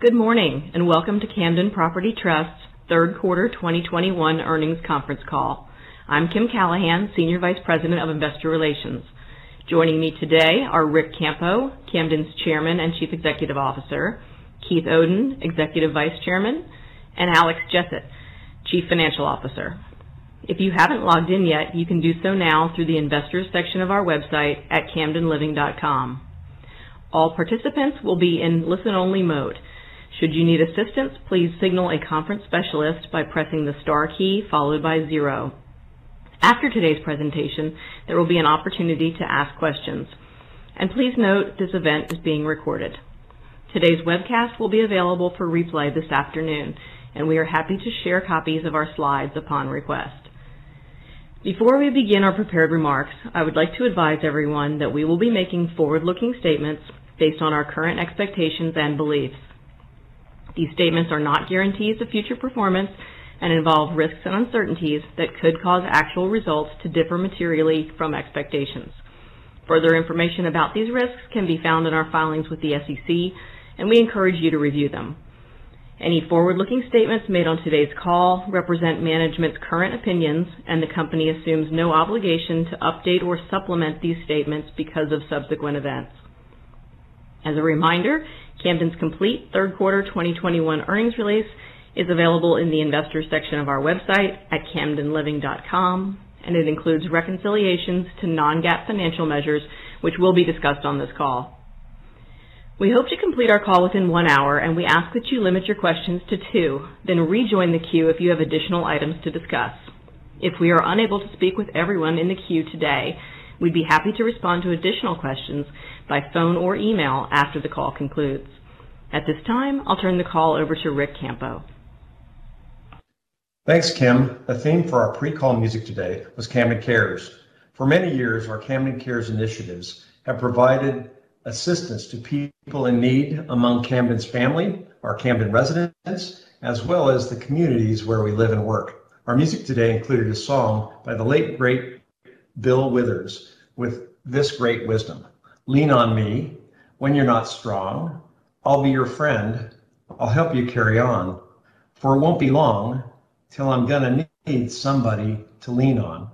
Good morning, and welcome to Camden Property Trust's third quarter 2021 earnings conference call. I'm Kim Callahan, Senior Vice President of Investor Relations. Joining me today are Ric Campo, Camden's Chairman and Chief Executive Officer, Keith Oden, Executive Vice Chairman, and Alex Jessett, Chief Financial Officer. If you haven't logged in yet, you can do so now through the investors section of our website at camdenliving.com. All participants will be in listen-only mode. Should you need assistance, please signal a conference specialist by pressing the star key followed by zero. After today's presentation, there will be an opportunity to ask questions. Please note this event is being recorded. Today's webcast will be available for replay this afternoon, and we are happy to share copies of our slides upon request. Before we begin our prepared remarks, I would like to advise everyone that we will be making forward-looking statements based on our current expectations and beliefs. These statements are not guarantees of future performance and involve risks and uncertainties that could cause actual results to differ materially from expectations. Further information about these risks can be found in our filings with the SEC, and we encourage you to review them. Any forward-looking statements made on today's call represent management's current opinions, and the company assumes no obligation to update or supplement these statements because of subsequent events. As a reminder, Camden's complete third quarter 2021 earnings release is available in the investor section of our website at camdenliving.com, and it includes reconciliations to non-GAAP financial measures, which will be discussed on this call. We hope to complete our call within one hour, and we ask that you limit your questions to two, then rejoin the queue if you have additional items to discuss. If we are unable to speak with everyone in the queue today, we'd be happy to respond to additional questions by phone or email after the call concludes. At this time, I'll turn the call over to Ric Campo. Thanks, Kim. The theme for our pre-call music today was Camden Cares. For many years, our Camden Cares initiatives have provided assistance to people in need among Camden's family, our Camden residents, as well as the communities where we live and work. Our music today included a song by the late great Bill Withers with this great wisdom. "Lean on me when you're not strong. I'll be your friend. I'll help you carry on. For it won't be long till I'm gonna need somebody to lean on."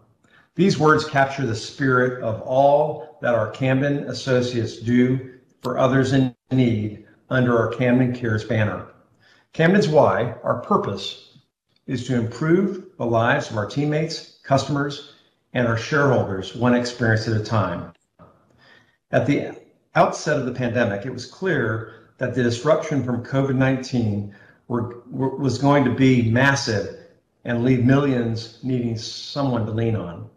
These words capture the spirit of all that our Camden associates do for others in need under our Camden Cares banner. Camden's why, our purpose, is to improve the lives of our teammates, customers, and our shareholders one experience at a time. At the outset of the pandemic, it was clear that the disruption from COVID-19 was going to be massive and leave millions needing someone to lean on.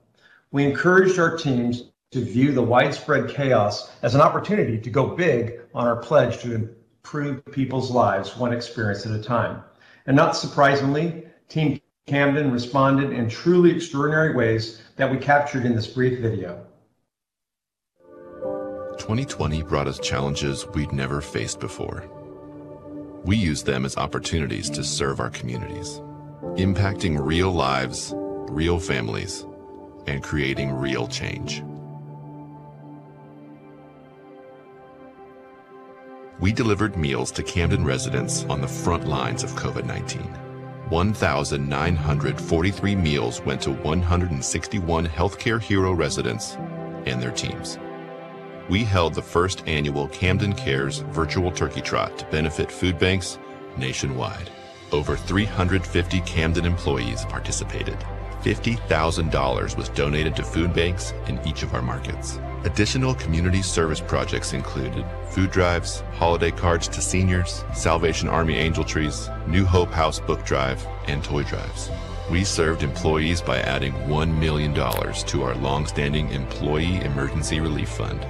We encouraged our teams to view the widespread chaos as an opportunity to go big on our pledge to improve people's lives one experience at a time. Not surprisingly, Team Camden responded in truly extraordinary ways that we captured in this brief video. 2020 brought us challenges we'd never faced before. We used them as opportunities to serve our communities, impacting real lives, real families, and creating real change. We delivered meals to Camden residents on the front lines of COVID-19. 1,943 meals went to 161 healthcare hero residents and their teams. We held the first annual Camden Cares Virtual Turkey Trot to benefit food banks nationwide. Over 350 Camden employees participated. $50,000 was donated to food banks in each of our markets. Additional community service projects included food drives, holiday cards to seniors, Salvation Army Angel Trees, New Hope Housing book drive, and toy drives. We served employees by adding $1 million to our longstanding Employee Emergency Relief Fund,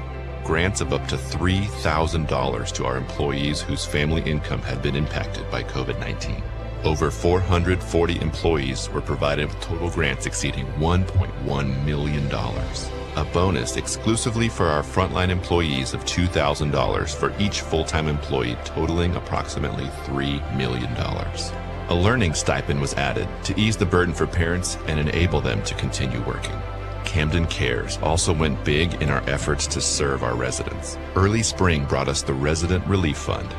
grants of up to $3,000 to our employees whose family income had been impacted by COVID-19. Over 440 employees were provided with total grants exceeding $1.1 million. A bonus exclusively for our frontline employees of $2,000 for each full-time employee, totaling approximately $3 million. A learning stipend was added to ease the burden for parents and enable them to continue working. Camden Cares also went big in our efforts to serve our residents. Early spring brought us the Resident Relief Fund.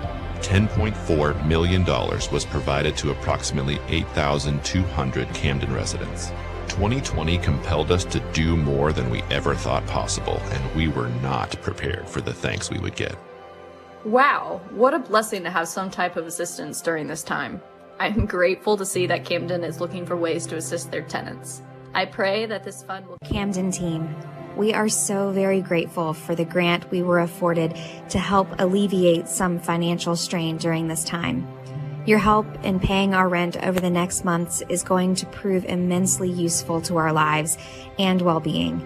$10.4 million was provided to approximately 8,200 Camden residents. 2020 compelled us to do more than we ever thought possible, and we were not prepared for the thanks we would get. Wow, what a blessing to have some type of assistance during this time. I'm grateful to see that Camden is looking for ways to assist their tenants. I pray that this fund will- Camden team, we are so very grateful for the grant we were afforded to help alleviate some financial strain during this time. Your help in paying our rent over the next months is going to prove immensely useful to our lives and wellbeing.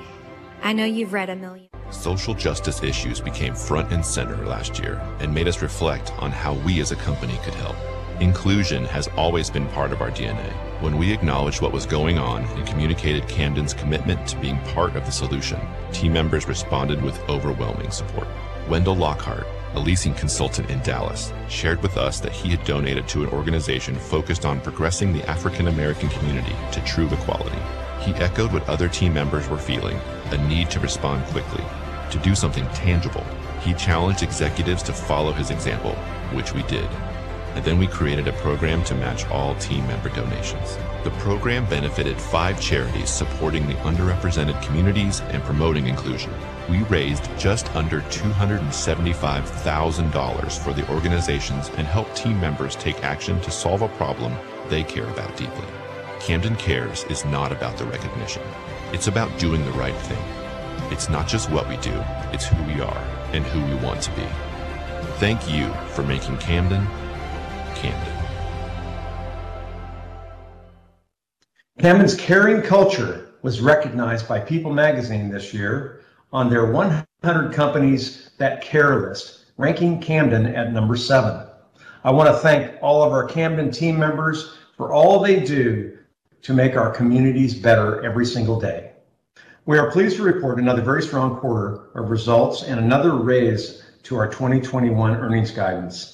I know you've read a million- Social justice issues became front and center last year and made us reflect on how we as a company could help. Inclusion has always been part of our DNA. When we acknowledged what was going on and communicated Camden's commitment to being part of the solution, team members responded with overwhelming support. Wendell Lockhart, a Leasing Consultant in Dallas, shared with us that he had donated to an organization focused on progressing the African American community to true equality. He echoed what other team members were feeling: a need to respond quickly, to do something tangible. He challenged executives to follow his example, which we did, and then we created a program to match all team member donations. The program benefited five charities supporting the underrepresented communities and promoting inclusion. We raised just under $275,000 for the organizations and helped team members take action to solve a problem they care about deeply. Camden Cares is not about the recognition. It's about doing the right thing. It's not just what we do, it's who we are and who we want to be. Thank you for making Camden. Camden's caring culture was recognized by People Magazine this year on their 100 companies that care list, ranking Camden at number seven. I wanna thank all of our Camden team members for all they do to make our communities better every single day. We are pleased to report another very strong quarter of results and another raise to our 2021 earnings guidance.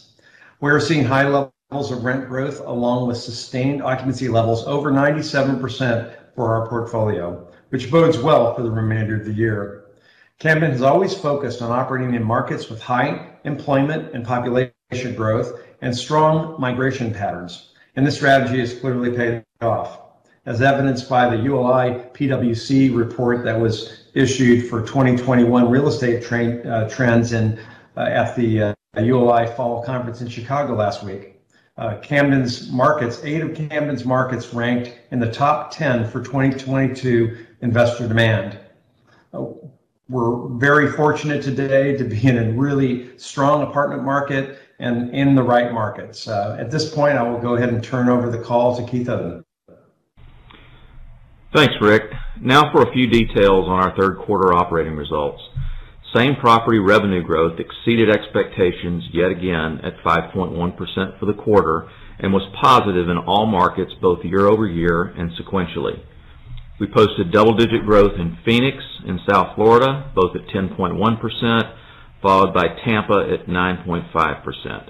We're seeing high levels of rent growth along with sustained occupancy levels over 97% for our portfolio, which bodes well for the remainder of the year. Camden has always focused on operating in markets with high employment and population growth and strong migration patterns, and this strategy has clearly paid off. As evidenced by the ULI PwC report that was issued for 2021 real estate trends at the ULI fall conference in Chicago last week. Camden's markets. Eight of Camden's markets ranked in the top 10 for 2022 investor demand. We're very fortunate today to be in a really strong apartment market and in the right markets. At this point, I will go ahead and turn over the call to Keith Oden. Thanks, Ric. Now for a few details on our third quarter operating results. Same-property revenue growth exceeded expectations yet again at 5.1% for the quarter, and was positive in all markets, both year-over-year and sequentially. We posted double-digit growth in Phoenix and South Florida, both at 10.1%, followed by Tampa at 9.5%.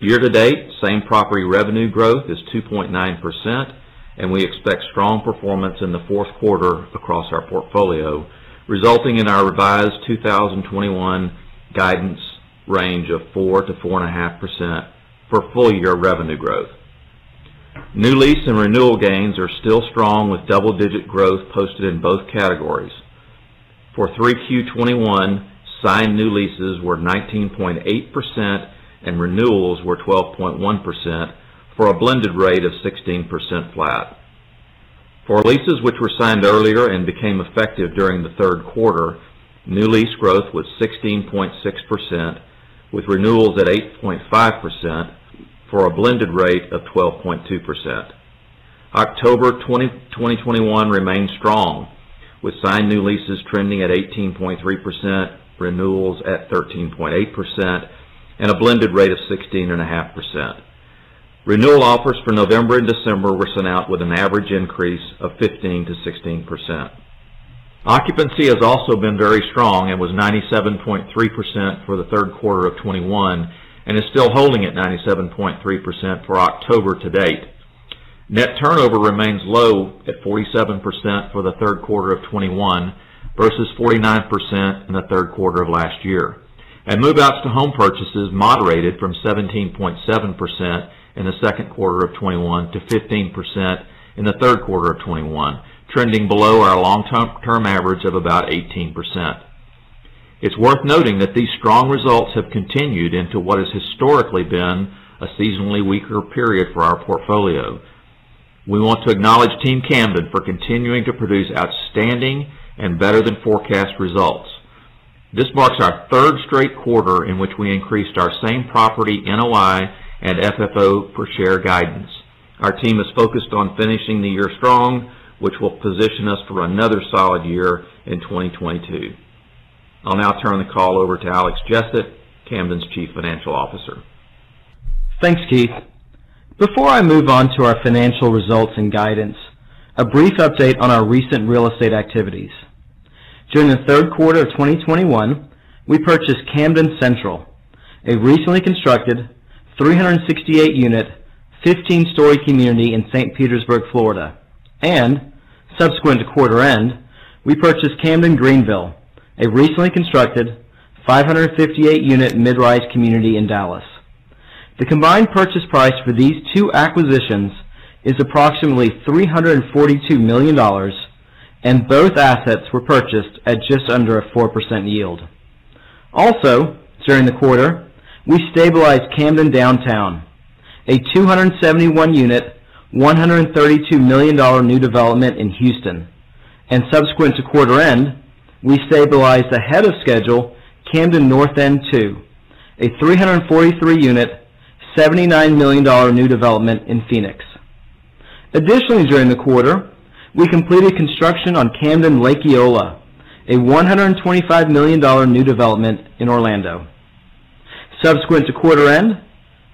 Year-to-date, same-property revenue growth is 2.9%, and we expect strong performance in the fourth quarter across our portfolio, resulting in our revised 2021 guidance range of 4%-4.5% for full-year revenue growth. New lease and renewal gains are still strong with double-digit growth posted in both categories. For Q3 2021, signed new leases were 19.8% and renewals were 12.1% for a blended rate of 16% flat. For leases which were signed earlier and became effective during the third quarter, new lease growth was 16.6%, with renewals at 8.5% for a blended rate of 12.2%. October 2021 remained strong, with signed new leases trending at 18.3%, renewals at 13.8%, and a blended rate of 16.5%. Renewal offers for November and December were sent out with an average increase of 15%-16%. Occupancy has also been very strong and was 97.3% for the third quarter of 2021, and is still holding at 97.3% for October to date. Net turnover remains low at 47% for the third quarter of 2021 versus 49% in the third quarter of last year. Move outs to home purchases moderated from 17.7% in the second quarter of 2021 to 15% in the third quarter of 2021, trending below our long-term average of about 18%. It's worth noting that these strong results have continued into what has historically been a seasonally weaker period for our portfolio. We want to acknowledge Team Camden for continuing to produce outstanding and better than forecast results. This marks our third straight quarter in which we increased our same property NOI and FFO per share guidance. Our team is focused on finishing the year strong, which will position us for another solid year in 2022. I'll now turn the call over to Alex Jessett, Camden's Chief Financial Officer. Thanks, Keith. Before I move on to our financial results and guidance, a brief update on our recent real estate activities. During the third quarter of 2021, we purchased Camden Central, a recently constructed 368-unit, 15-story community in St. Petersburg, Florida. Subsequent to quarter end, we purchased Camden Greenville, a recently constructed 558-unit mid-rise community in Dallas. The combined purchase price for these two acquisitions is approximately $342 million, and both assets were purchased at just under a 4% yield. Also, during the quarter, we stabilized Camden Downtown, a 271-unit, $132 million new development in Houston. Subsequent to quarter end, we stabilized ahead of schedule Camden North End II, a 343-unit, $79 million new development in Phoenix. Additionally, during the quarter, we completed construction on Camden Lake Eola, a $125 million new development in Orlando. Subsequent to quarter end,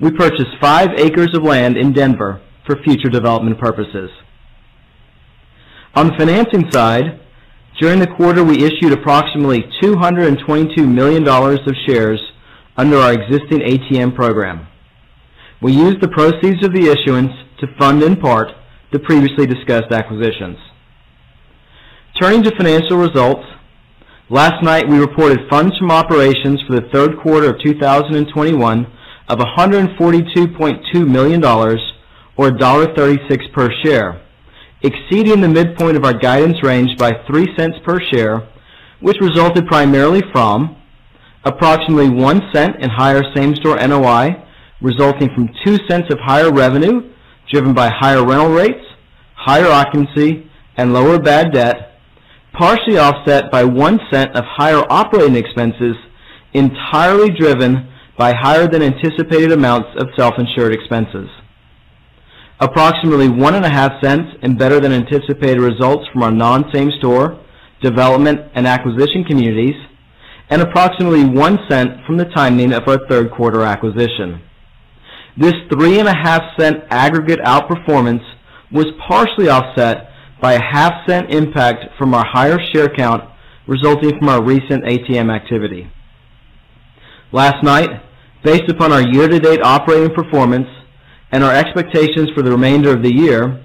we purchased five acres of land in Denver for future development purposes. On the financing side, during the quarter, we issued approximately $222 million of shares under our existing ATM program. We used the proceeds of the issuance to fund, in part, the previously discussed acquisitions. Turning to financial results, last night we reported funds from operations for the third quarter of 2021 of $142.2 million or $1.36 per share, exceeding the midpoint of our guidance range by $0.03 per share, which resulted primarily from approximately $0.01 in higher same-store NOI, resulting from $0.02 of higher revenue, driven by higher rental rates, higher occupancy, and lower bad debt, partially offset by $0.01 of higher operating expenses, entirely driven by higher than anticipated amounts of self-insured expenses. Approximately $0.015 in better than anticipated results from our non-same-store, development, and acquisition communities, and approximately $0.01 from the timing of our third quarter acquisition. This $0.035 aggregate outperformance was partially offset by a $0.005 impact from our higher share count, resulting from our recent ATM activity. Last night, based upon our year-to-date operating performance and our expectations for the remainder of the year,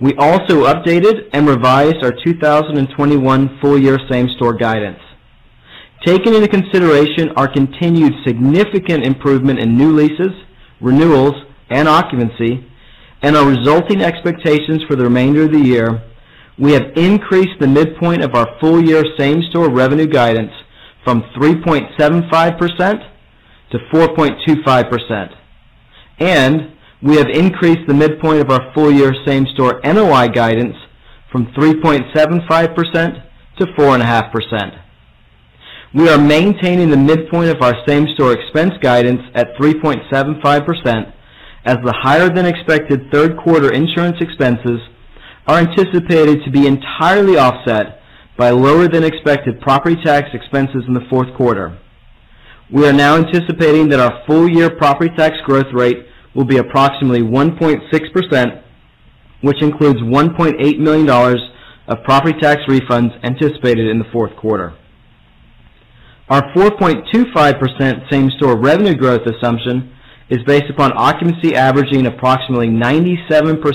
we also updated and revised our 2021 full year same-store guidance. Taking into consideration our continued significant improvement in new leases, renewals, and occupancy, and our resulting expectations for the remainder of the year, we have increased the midpoint of our full year same-store revenue guidance from 3.75%-4.25%. We have increased the midpoint of our full year same-store NOI guidance from 3.75%-4.5%. We are maintaining the midpoint of our same store expense guidance at 3.75%, as the higher than expected third quarter insurance expenses are anticipated to be entirely offset by lower than expected property tax expenses in the fourth quarter. We are now anticipating that our full year property tax growth rate will be approximately 1.6%, which includes $1.8 million of property tax refunds anticipated in the fourth quarter. Our 4.25% same-store revenue growth assumption is based upon occupancy averaging approximately 97% for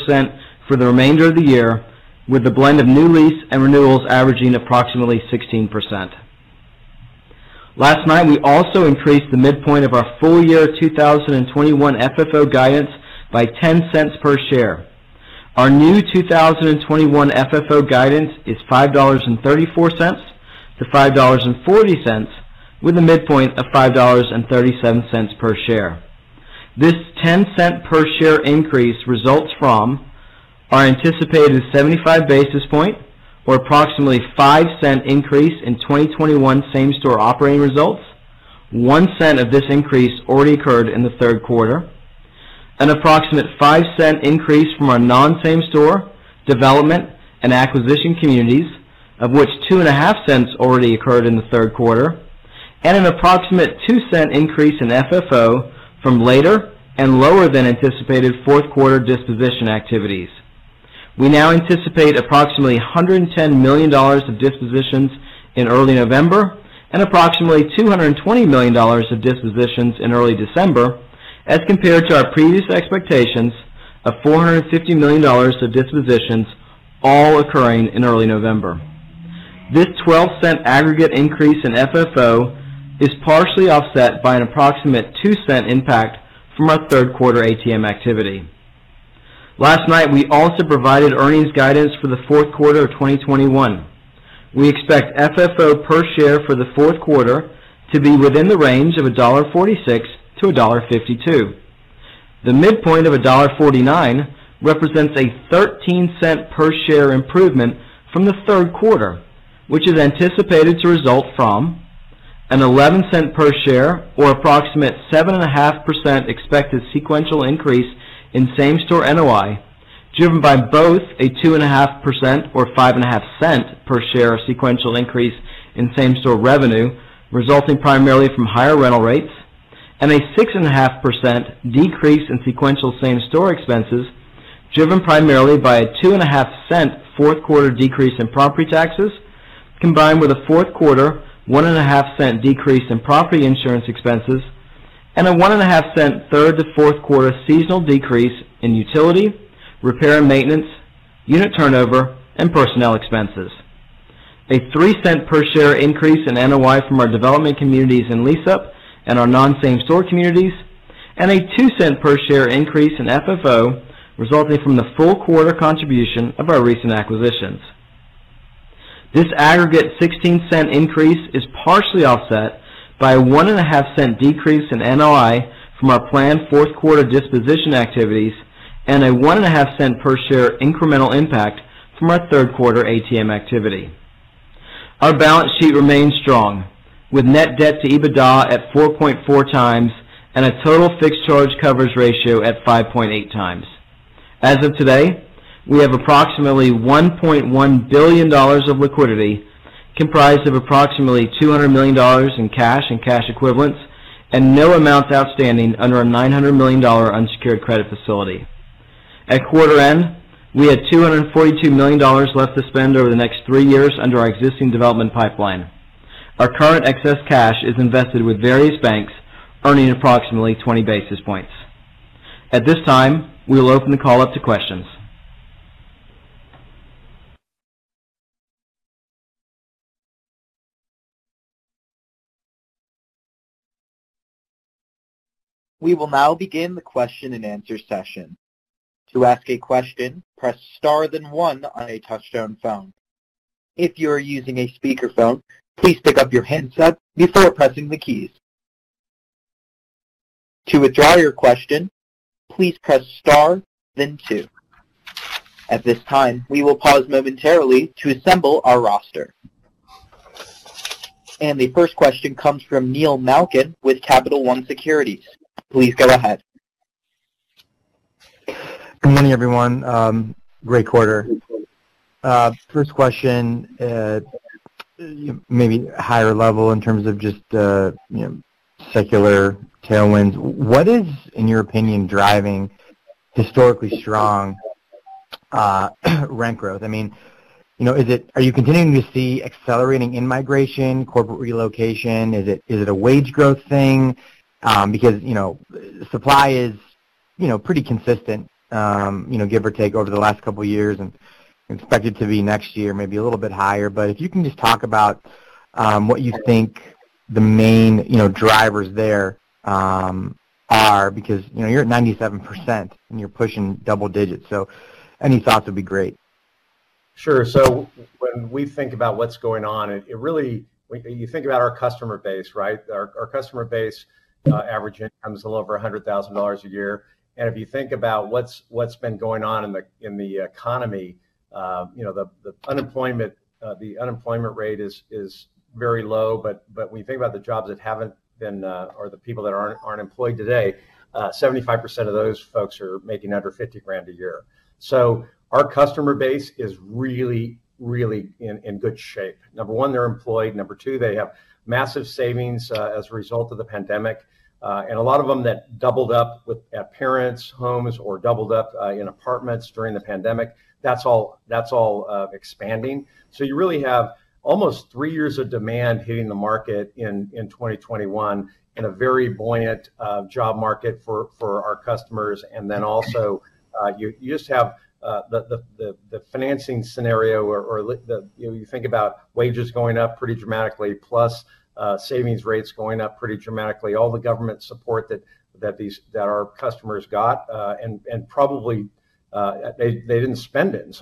the remainder of the year, with the blend of new lease and renewals averaging approximately 16%. Last night, we also increased the midpoint of our full year 2021 FFO guidance by $0.10 per share. Our new 2021 FFO guidance is $5.34-$5.40, with a midpoint of $5.37 per share. This $0.10 per share increase results from our anticipated 75 basis points, or approximately $0.05 increase in 2021 same-store operating results. $0.01 of this increase already occurred in the third quarter. An approximate $0.05 increase from our non-same store, development, and acquisition communities, of which $0.025 already occurred in the third quarter. An approximate $0.02 increase in FFO from later and lower than anticipated fourth quarter disposition activities. We now anticipate approximately $110 million of dispositions in early November, and approximately $220 million of dispositions in early December, as compared to our previous expectations of $450 million of dispositions all occurring in early November. This $0.12 aggregate increase in FFO is partially offset by an approximate $0.02 impact from our third quarter ATM activity. Last night, we also provided earnings guidance for the fourth quarter of 2021. We expect FFO per share for the fourth quarter to be within the range of $1.46-$1.52. The midpoint of $1.49 represents a $0.13 per share improvement from the third quarter, which is anticipated to result from a $0.11 per share or approximate 7.5% expected sequential increase in same-store NOI, driven by both a 2.5% or $0.055 per share sequential increase in same-store revenue, resulting primarily from higher rental rates, and a 6.5% decrease in sequential same-store expenses, driven primarily by a $0.025 fourth quarter decrease in property taxes, combined with a fourth quarter $0.015 decrease in property insurance expenses and a $0.015 third to fourth quarter seasonal decrease in utility, repair & maintenance, unit turnover, and personnel expenses. A $0.03 per share increase in NOI from our development communities in lease-up and our non-same store communities, and a $0.02 Per share increase in FFO resulting from the full quarter contribution of our recent acquisitions. This aggregate $0.16 increase is partially offset by a $0.015 decrease in NOI from our planned fourth quarter disposition activities and a $0.015 per share incremental impact from our third quarter ATM activity. Our balance sheet remains strong, with net debt to EBITDA at 4.4x and a total fixed charge coverage ratio at 5.8x. As of today, we have approximately $1.1 billion of liquidity, comprised of approximately $200 million in cash and cash equivalents, and no amounts outstanding under our $900 million unsecured credit facility. At quarter end, we had $242 million left to spend over the next three years under our existing development pipeline. Our current excess cash is invested with various banks, earning approximately 20 basis points. At this time, we will open the call up to questions. We will now begin the question and answer session. To ask a question, press star then one on a touchtone phone. If you are using a speakerphone, please pick up your handset before pressing the keys. To withdraw your question, please press star then two. At this time, we will pause momentarily to assemble our roster. The first question comes from Neil Malkin with Capital One Securities. Please go ahead. Good morning, everyone. Great quarter. First question. Maybe higher level in terms of just, you know, secular tailwinds. What is, in your opinion, driving historically strong, rent growth? I mean, you know, are you continuing to see accelerating in-migration, corporate relocation? Is it a wage growth thing? Because, you know, supply is, you know, pretty consistent, you know, give or take over the last couple of years and expected to be next year, maybe a little bit higher. If you can just talk about, what you think the main, you know, drivers there, are, because, you know, you're at 97% and you're pushing double digits. So any thoughts would be great. Sure. When we think about what's going on. When you think about our customer base, right? Our customer base average income is a little over $100,000 a year. And if you think about what's been going on in the economy, you know, the unemployment rate is very low, but when you think about the jobs that haven't been or the people that aren't employed today, 75% of those folks are making under $50,000 a year. Our customer base is really in good shape. Number one, they're employed. Number two, they have massive savings as a result of the pandemic. A lot of them that doubled up with at parents' homes or doubled up in apartments during the pandemic, that's all expanding. You really have almost three years of demand hitting the market in 2021 in a very buoyant job market for our customers. You just have the financing scenario or the. You know, you think about wages going up pretty dramatically, plus savings rates going up pretty dramatically. All the government support that our customers got and probably they didn't spend it.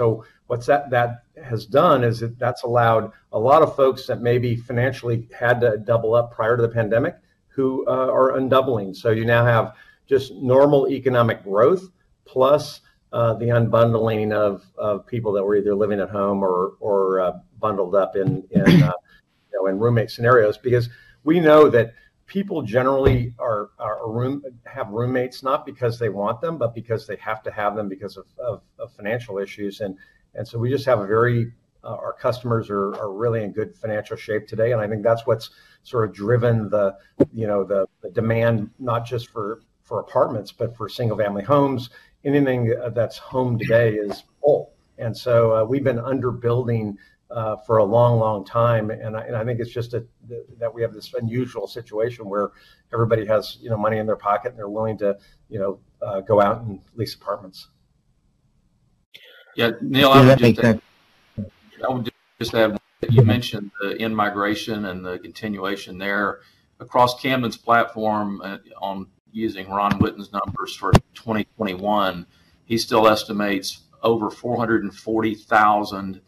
What that has done is that's allowed a lot of folks that maybe financially had to double up prior to the pandemic who are undoubling. You now have just normal economic growth plus the unbundling of people that were either living at home or bundled up in you know in roommate scenarios. Because we know that people generally have roommates, not because they want them, but because they have to have them because of financial issues. We just have a very our customers are really in good financial shape today, and I think that's what's sort of driven the you know the demand, not just for apartments, but for single-family homes. Anything that's home today is full. We've been under-building for a long time. I think it's just that we have this unusual situation where everybody has, you know, money in their pocket, and they're willing to, you know, go out and lease apartments. Yeah. Neil, I would just. That makes sense. I would just add that you mentioned the in-migration and the continuation there. Across Camden's platform, on using Ron Witten's numbers for 2021, he still estimates over 440,000 net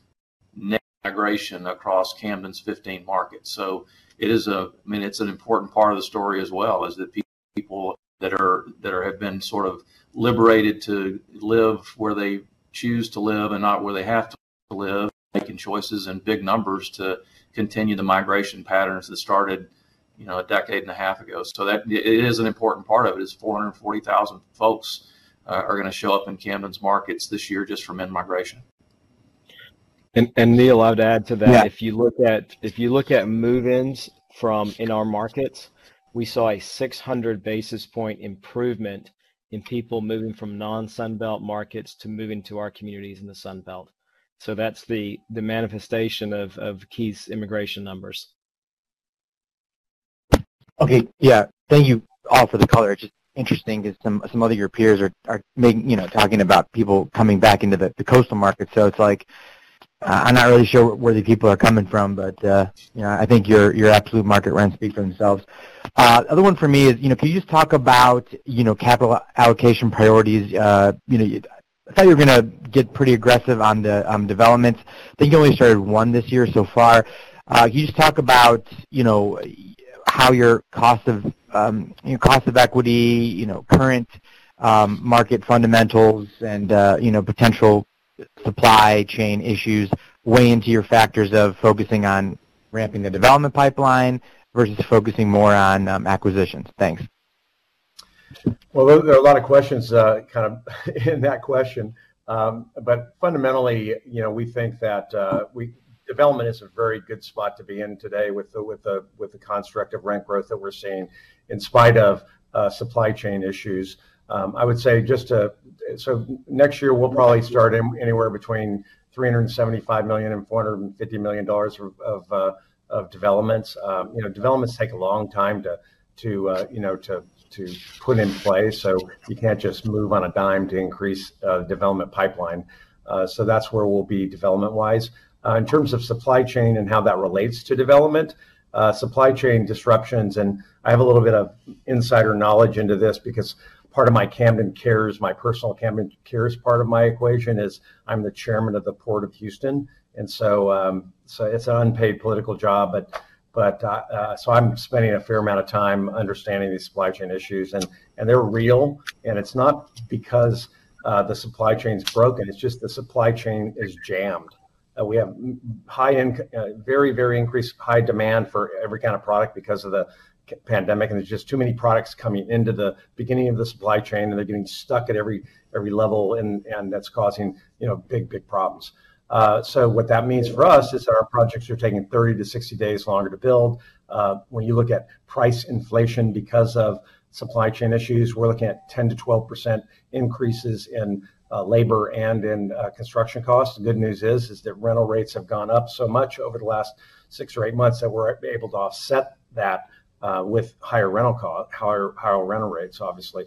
migration across Camden's 15 markets. It is, I mean, it's an important part of the story as well, is that people that have been sort of liberated to live where they choose to live and not where they have to live, making choices in big numbers to continue the migration patterns that started, you know, a decade and a half ago. That, it is an important part of it, is 440,000 folks are gonna show up in Camden's markets this year just from in-migration. Neil, I would add to that. Yeah. If you look at move-ins in our markets, we saw a 600 basis point improvement in people moving from non-Sun Belt markets to move into our communities in the Sun Belt. That's the manifestation of Keith's immigration numbers. Okay. Yeah. Thank you all for the color. Just interesting because some other of your peers are making, you know, talking about people coming back into the coastal market. It's like, I'm not really sure where the people are coming from, but, you know, I think your absolute market rents speak for themselves. Other one for me is, you know, can you just talk about, you know, capital allocation priorities? You know, I thought you were gonna get pretty aggressive on developments. I think you only started one this year so far. Can you just talk about, you know, how your cost of equity, you know, current market fundamentals and, you know, potential supply chain issues weigh into your factors of focusing on ramping the development pipeline versus focusing more on acquisitions? Thanks. Well, there are a lot of questions kind of in that question. Fundamentally, you know, we think that development is a very good spot to be in today with the construct of rent growth that we're seeing in spite of supply chain issues. I would say next year we'll probably start anywhere between $375 million and $450 million of developments. You know, developments take a long time to put in place. You can't just move on a dime to increase development pipeline. That's where we'll be development-wise. In terms of supply chain and how that relates to development. Supply chain disruptions, and I have a little bit of insider knowledge into this because part of my Camden Cares, my personal Camden Cares part of my equation is I'm the chairman of the Port of Houston. It's an unpaid political job, but I'm spending a fair amount of time understanding these supply chain issues, and they're real. It's not because the supply chain's broken. It's just the supply chain is jammed. We have very high demand for every kind of product because of the COVID-19 pandemic, and there's just too many products coming into the beginning of the supply chain, and they're getting stuck at every level, and that's causing, you know, big problems. What that means for us is that our projects are taking 30-60 days longer to build. When you look at price inflation because of supply chain issues, we're looking at 10%-12% increases in labor and in construction costs. The good news is that rental rates have gone up so much over the last six or eight months that we're able to offset that with higher rental rates, obviously.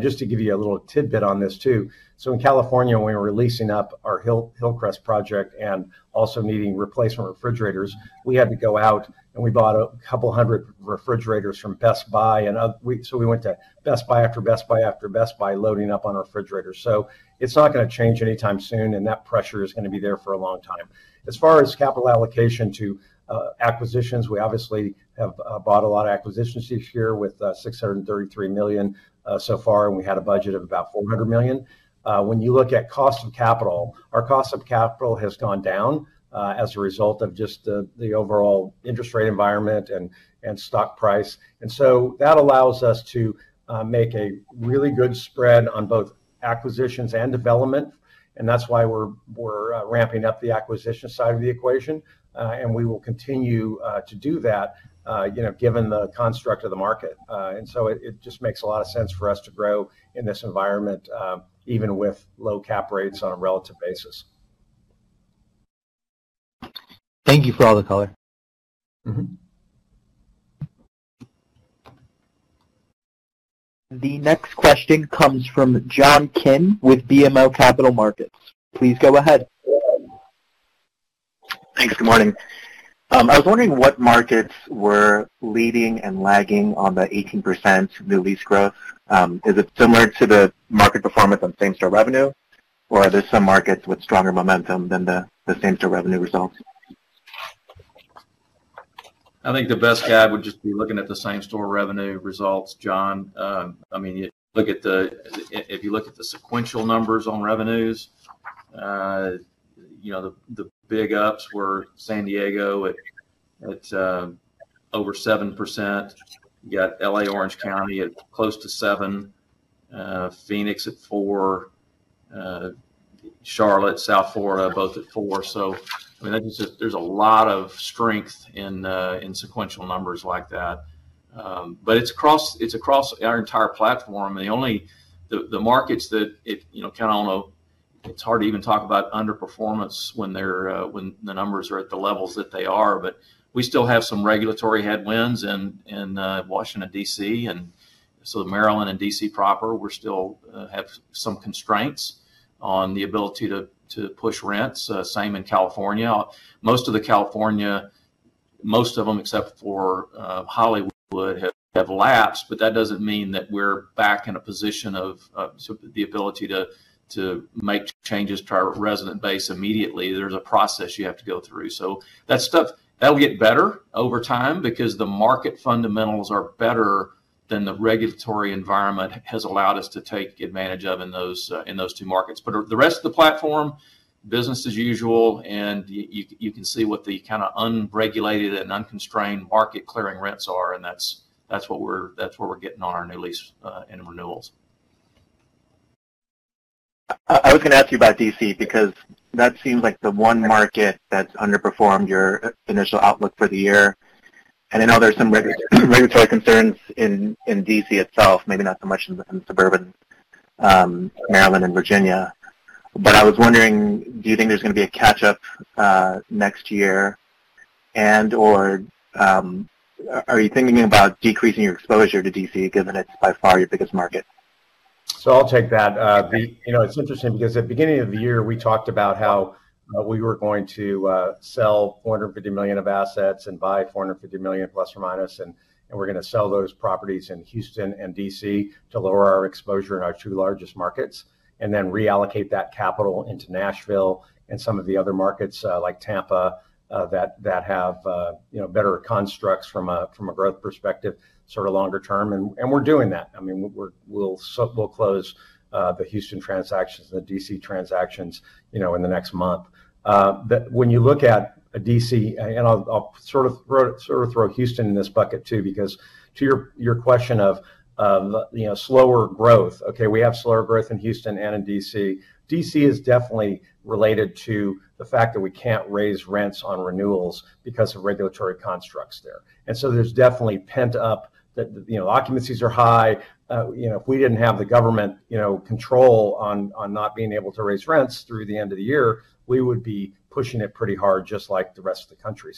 Just to give you a little tidbit on this too. In California, when we were leasing up our Hillcrest project and also needing replacement refrigerators, we had to go out, and we bought 200 refrigerators from Best Buy. We went to Best Buy after Best Buy after Best Buy, loading up on our refrigerators. It's not gonna change anytime soon, and that pressure is gonna be there for a long time. As far as capital allocation to acquisitions, we obviously have bought a lot of acquisitions this year with $633 million so far, and we had a budget of about $400 million. When you look at cost of capital, our cost of capital has gone down as a result of just the overall interest rate environment and stock price. That allows us to make a really good spread on both acquisitions and development, and that's why we're ramping up the acquisition side of the equation. We will continue to do that, you know, given the construct of the market. It just makes a lot of sense for us to grow in this environment, even with low cap rates on a relative basis. Thank you for all the color. The next question comes from John Kim with BMO Capital Markets. Please go ahead. Thanks. Good morning. I was wondering what markets were leading and lagging on the 18% new lease growth. Is it similar to the market performance on same-store revenue, or are there some markets with stronger momentum than the same-store revenue results? I think the best guide would just be looking at the same-store revenue results, John. I mean, if you look at the sequential numbers on revenues, you know, the big ups were San Diego at over 7%. You got L.A., Orange County at close to 7%. Phoenix at 4%. Charlotte, South Florida, both at 4%. So, I mean, that is just. There's a lot of strength in sequential numbers like that. But it's across our entire platform, and the only. The markets that it, you know, kind of on a. It's hard to even talk about underperformance when the numbers are at the levels that they are. We still have some regulatory headwinds in Washington, D.C., and so Maryland and D.C. proper, we still have some constraints on the ability to push rents. Same in California. Most of California, most of them except for Hollywood, have lapsed, but that doesn't mean that we're back in a position to make changes to our resident base immediately. There's a process you have to go through. That stuff, that'll get better over time because the market fundamentals are better than the regulatory environment has allowed us to take advantage of in those two markets. The rest of the platform, business as usual, and you can see what the kind of unregulated and unconstrained market clearing rents are, and that's what we're getting on our new lease and renewals. I was gonna ask you about D.C. because that seems like the one market that's underperformed your initial outlook for the year. I know there's some regulatory concerns in D.C. itself, maybe not so much in the suburban Maryland and Virginia. I was wondering, do you think there's gonna be a catch-up next year and/or, are you thinking about decreasing your exposure to D.C., given it's by far your biggest market? I'll take that. You know, it's interesting because at the beginning of the year, we talked about how we were going to sell $450 million of assets and buy $450 million±, and we're gonna sell those properties in Houston and D.C. to lower our exposure in our two largest markets, and then reallocate that capital into Nashville and some of the other markets, like Tampa, that have you know, better constructs from a growth perspective, sort of longer term. We're doing that. I mean, we'll close the Houston transactions and the D.C. transactions you know, in the next month. When you look at a D.C., and I'll sort of throw Houston in this bucket too because to your question of, you know, slower growth, okay, we have slower growth in Houston and in D.C. D.C. is definitely related to the fact that we can't raise rents on renewals because of regulatory constructs there. There's definitely pent-up that, you know, occupancies are high. You know, if we didn't have the government, you know, control on not being able to raise rents through the end of the year, we would be pushing it pretty hard just like the rest of the country.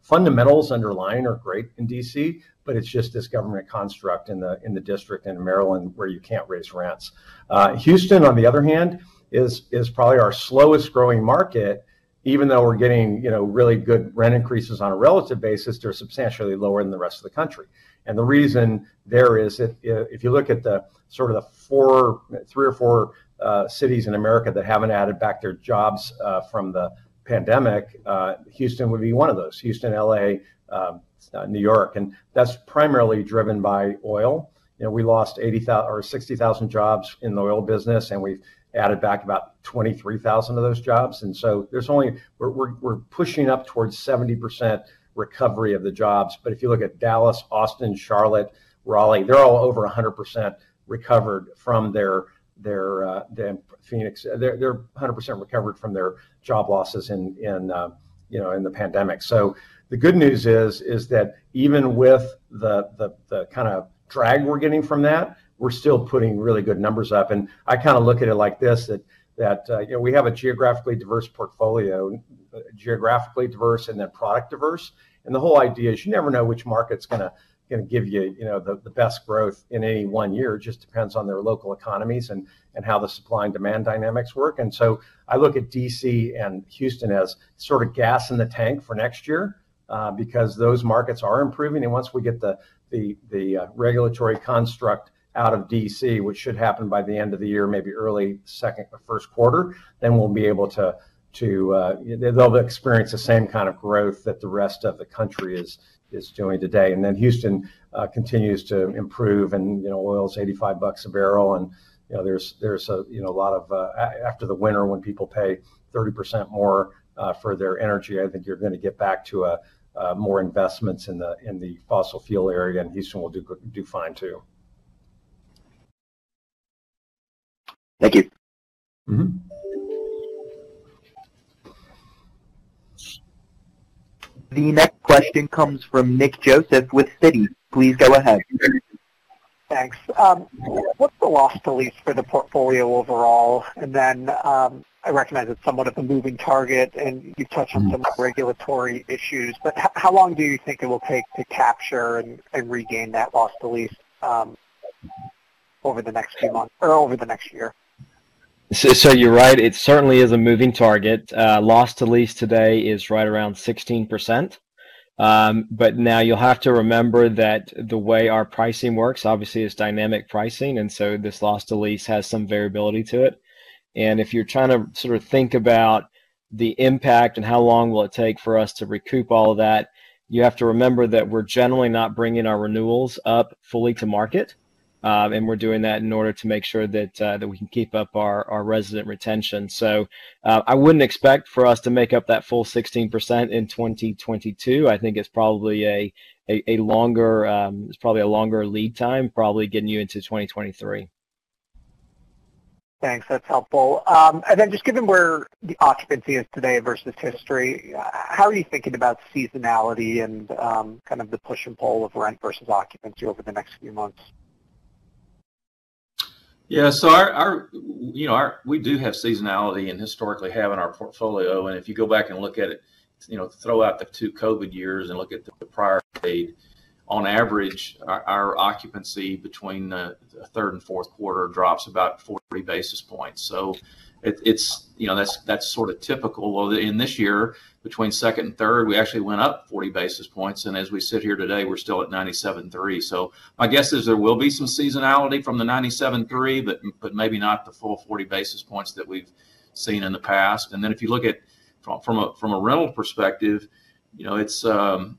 Fundamentals underlying are great in D.C., but it's just this government construct in the District and in Maryland where you can't raise rents. Houston, on the other hand, is probably our slowest growing market even though we're getting, you know, really good rent increases on a relative basis, they're substantially lower than the rest of the country. The reason is if you look at the sort of the three or four cities in America that haven't added back their jobs from the pandemic, Houston would be one of those. Houston, L.A., New York, and that's primarily driven by oil. You know, we lost 60,000 jobs in the oil business, and we've added back about 23,000 of those jobs. We're pushing up towards 70% recovery of the jobs. If you look at Dallas, Austin, Charlotte, Raleigh, Phoenix, they're all over 100% recovered from their. They're 100% recovered from their job losses in, you know, the pandemic. The good news is that even with the kind of drag we're getting from that, we're still putting really good numbers up. I kind of look at it like this, that you know we have a geographically diverse portfolio. Geographically diverse and then product diverse. The whole idea is you never know which market's gonna give you know, the best growth in any one year. It just depends on their local economies and how the supply and demand dynamics work. I look at D.C. and Houston as sort of gas in the tank for next year because those markets are improving. Once we get the regulatory construct out of D.C., which should happen by the end of the year, maybe early second or first quarter, then we'll be able to. They'll experience the same kind of growth that the rest of the country is doing today. Then Houston continues to improve and, you know, oil's $85 a barrel and, you know, there's a you know a lot of after the winter, when people pay 30% more for their energy, I think you're gonna get back to more investments in the fossil fuel area, and Houston will do fine too. Thank you. Mm-hmm. The next question comes from Nick Joseph with Citi. Please go ahead. Thanks. What's the loss to lease for the portfolio overall? Then, I recognize it's somewhat of a moving target, and you've touched on some of the regulatory issues, but how long do you think it will take to capture and regain that lost to lease over the next few months or over the next year? You're right. It certainly is a moving target. Loss to lease today is right around 16%. But now you'll have to remember that the way our pricing works, obviously, it's dynamic pricing, and so this loss to lease has some variability to it. If you're trying to sort of think about the impact and how long will it take for us to recoup all of that, you have to remember that we're generally not bringing our renewals up fully to market. We're doing that in order to make sure that we can keep up our resident retention. I wouldn't expect for us to make up that full 16% in 2022. I think it's probably a longer lead time, probably getting you into 2023. Thanks. That's helpful. Just given where the occupancy is today versus history, how are you thinking about seasonality and kind of the push and pull of rent versus occupancy over the next few months? We do have seasonality and historically have in our portfolio. If you go back and look at it, you know, throw out the two COVID years and look at the prior trend, on average, our occupancy between the third and fourth quarter drops about 40 basis points. You know, that's sort of typical. Well, in this year, between second and third, we actually went up 40 basis points, and as we sit here today, we're still at 97.3. My guess is there will be some seasonality from the 97.3, but maybe not the full 40 basis points that we've seen in the past. If you look from a rental perspective, you know, there's also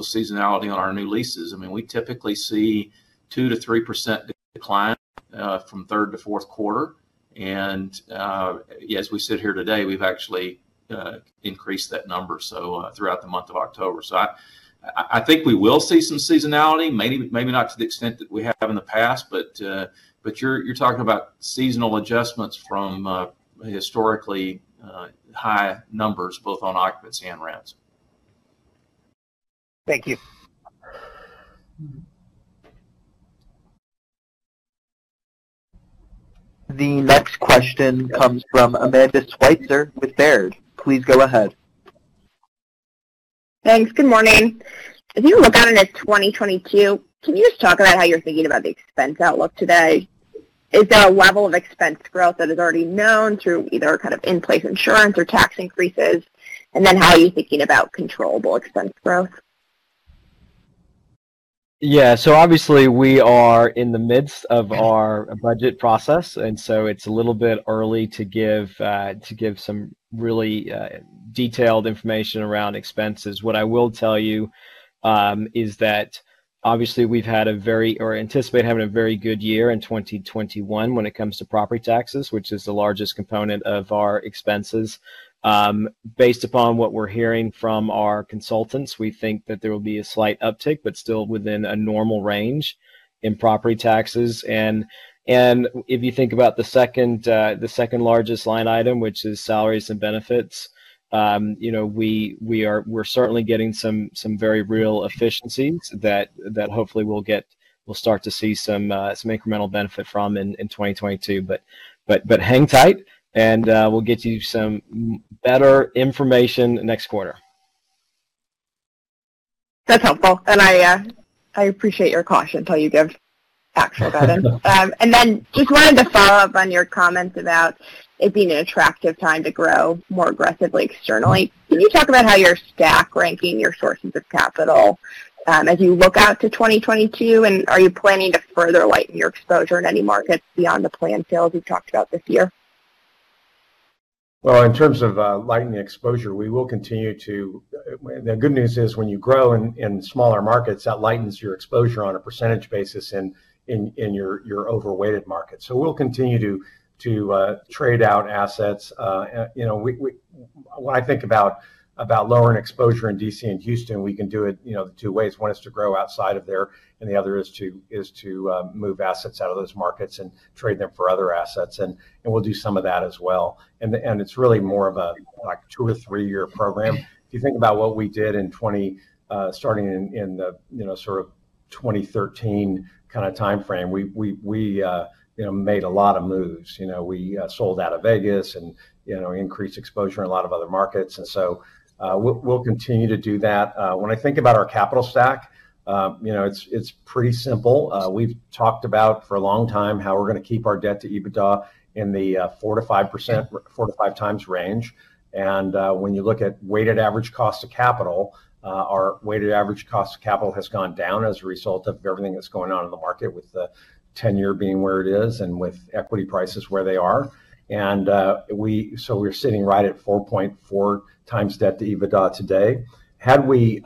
seasonality on our new leases. I mean, we typically see 2%-3% decline from third to fourth quarter. As we sit here today, we've actually increased that number throughout the month of October. I think we will see some seasonality, maybe not to the extent that we have in the past. You're talking about seasonal adjustments from historically high numbers both on occupancy and rents. Thank you. The next question comes from Amanda Sweitzer with Baird. Please go ahead. Thanks. Good morning. As you look out into 2022, can you just talk about how you're thinking about the expense outlook today? Is there a level of expense growth that is already known through either kind of in-place insurance or tax increases? How are you thinking about controllable expense growth? Yeah. Obviously, we are in the midst of our budget process, and so it's a little bit early to give some really detailed information around expenses. What I will tell you is that obviously we anticipate having a very good year in 2021 when it comes to property taxes, which is the largest component of our expenses. Based upon what we're hearing from our consultants, we think that there will be a slight uptick, but still within a normal range in property taxes. If you think about the second largest line item, which is salaries and benefits, you know, we're certainly getting some very real efficiencies that hopefully we'll start to see some incremental benefit from in 2022. Hang tight and we'll get you some better information next quarter. That's helpful. I appreciate your caution till you give actual guidance. Just wanted to follow up on your comments about it being an attractive time to grow more aggressively externally. Can you talk about how you're stack ranking your sources of capital, as you look out to 2022? Are you planning to further lighten your exposure in any markets beyond the planned sales you've talked about this year? Well, in terms of lightening exposure, we will continue to. The good news is when you grow in smaller markets, that lightens your exposure on a percentage basis in your overweighted markets. We'll continue to trade out assets. You know, when I think about lowering exposure in D.C. and Houston, we can do it two ways. One is to grow outside of there, and the other is to move assets out of those markets and trade them for other assets. It's really more of a like two- or three-year program. If you think about what we did in 2020, starting in the you know sort of 2013 kind of timeframe, we made a lot of moves. You know, we sold out of Vegas and you know increased exposure in a lot of other markets. We'll continue to do that. When I think about our capital stack, you know, it's pretty simple. We've talked about for a long time how we're gonna keep our debt to EBITDA in the 4x-5x range. When you look at weighted average cost of capital, our weighted average cost of capital has gone down as a result of everything that's going on in the market with the ten-year being where it is and with equity prices where they are. We're sitting right at 4.4x debt to EBITDA today. Had we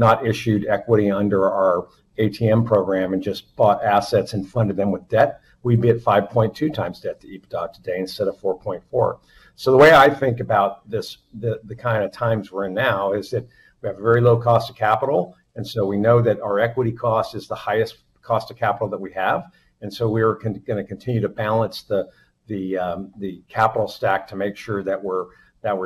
not issued equity under our ATM program and just bought assets and funded them with debt, we'd be at 5.2x debt to EBITDA today instead of 4.4. The way I think about this, the kind of times we're in now is that we have very low cost of capital, and we know that our equity cost is the highest cost of capital that we have. We're going to continue to balance the capital stack to make sure that we're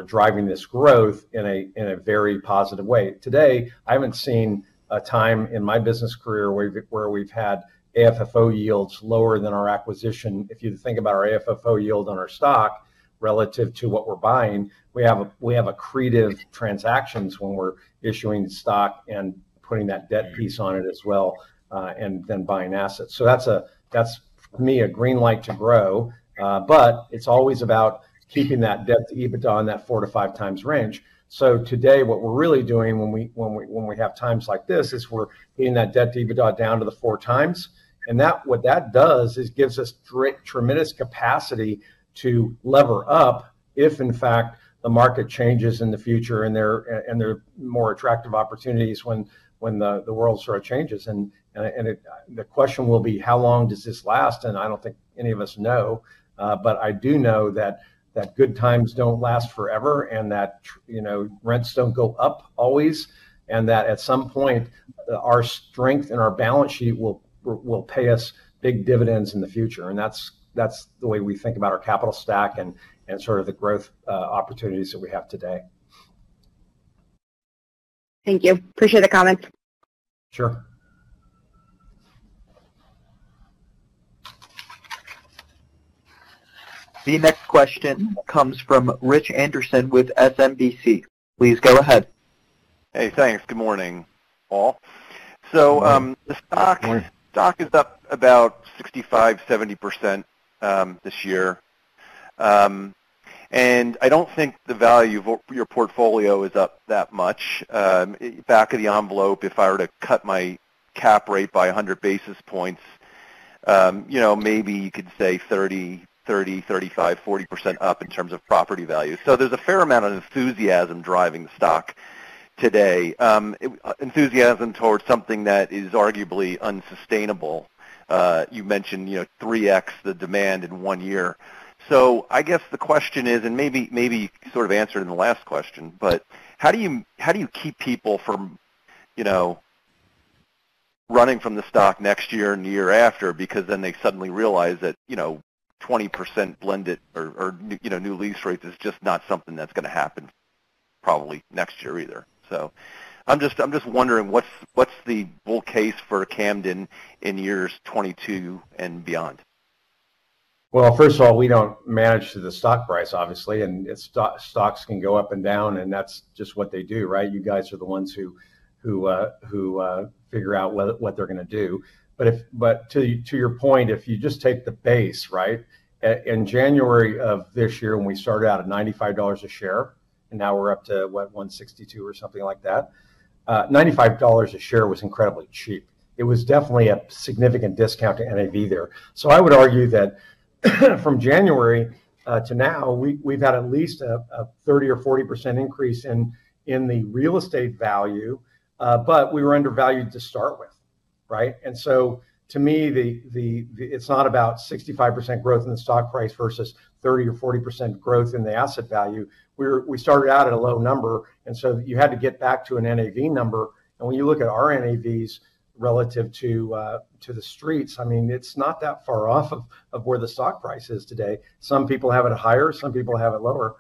driving this growth in a very positive way. Today, I haven't seen a time in my business career where we've had AFFO yields lower than our acquisition. If you think about our AFFO yield on our stock relative to what we're buying, we have accretive transactions when we're issuing stock and putting that debt piece on it as well, and then buying assets. That's, for me, a green light to grow. It's always about keeping that debt to EBITDA in that 4x-5x range. Today, what we're really doing when we have times like this is we're getting that debt to EBITDA down to the 4x tim. That, what that does is gives us tremendous capacity to lever up if, in fact, the market changes in the future, and there are more attractive opportunities when the world sort of changes. The question will be, how long does this last? I don't think any of us know. I do know that good times don't last forever and that, you know, rents don't go up always, and that at some point, our strength and our balance sheet will pay us big dividends in the future. That's the way we think about our capital stack and sort of the growth opportunities that we have today. Thank you. I appreciate the comment. Sure. The next question comes from Richard Anderson with SMBC. Please go ahead. Hey, thanks. Good morning, all. Good morning. So, um, the stock- Good morning. Stock is up about 65%-70% this year. I don't think the value of your portfolio is up that much. Back of the envelope, if I were to cut my cap rate by 100 basis points, you know, maybe you could say 30%, 35%, 40% up in terms of property value. There's a fair amount of enthusiasm driving the stock today, enthusiasm towards something that is arguably unsustainable. You mentioned, you know, 3x the demand in one year. I guess the question is, and maybe you sort of answered in the last question, but how do you keep people from, you know, running from the stock next year and the year after because then they suddenly realize that, you know, 20% blended or, you know, new lease rates is just not something that's gonna happen probably next year either. I'm just wondering what's the bull case for Camden in years 2022 and beyond? Well, first of all, we don't manage to the stock price, obviously, and stocks can go up and down, and that's just what they do, right? You guys are the ones who figure out what they're gonna do. To your point, if you just take the base, right? In January of this year when we started out at $95 a share and now we're up to, what, $162 or something like that. $95 a share was incredibly cheap. It was definitely a significant discount to NAV there. I would argue that from January to now, we've had at least a 30% or 40% increase in the real estate value, but we were undervalued to start with, right? To me, it's not about 65% growth in the stock price versus 30% or 40% growth in the asset value. We started out at a low number, and so you had to get back to an NAV number. When you look at our NAVs relative to the streets, I mean, it's not that far off of where the stock price is today. Some people have it higher, some people have it lower.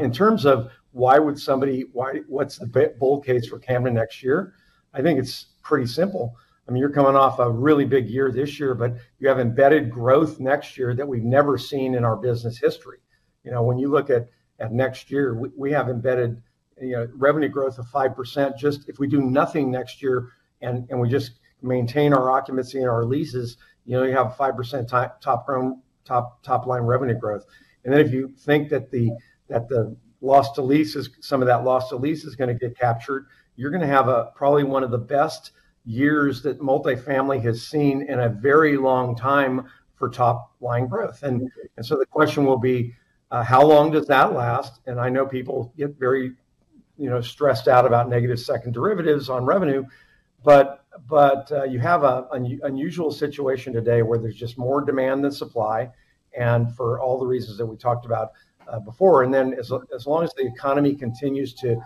In terms of why would somebody? What's the bull case for Camden next year? I think it's pretty simple. I mean, you're coming off a really big year this year, but you have embedded growth next year that we've never seen in our business history. You know, when you look at next year, we have embedded, you know, revenue growth of 5%. Just if we do nothing next year, and we just maintain our occupancy and our leases, you know, you have 5% top-line revenue growth. Then if you think that the loss to lease, some of that loss to lease is gonna get captured, you're gonna have probably one of the best years that multifamily has seen in a very long time for top-line growth. The question will be, how long does that last? I know people get very, you know, stressed out about negative second derivatives on revenue. But you have an unusual situation today where there's just more demand than supply, and for all the reasons that we talked about before. As long as the economy continues to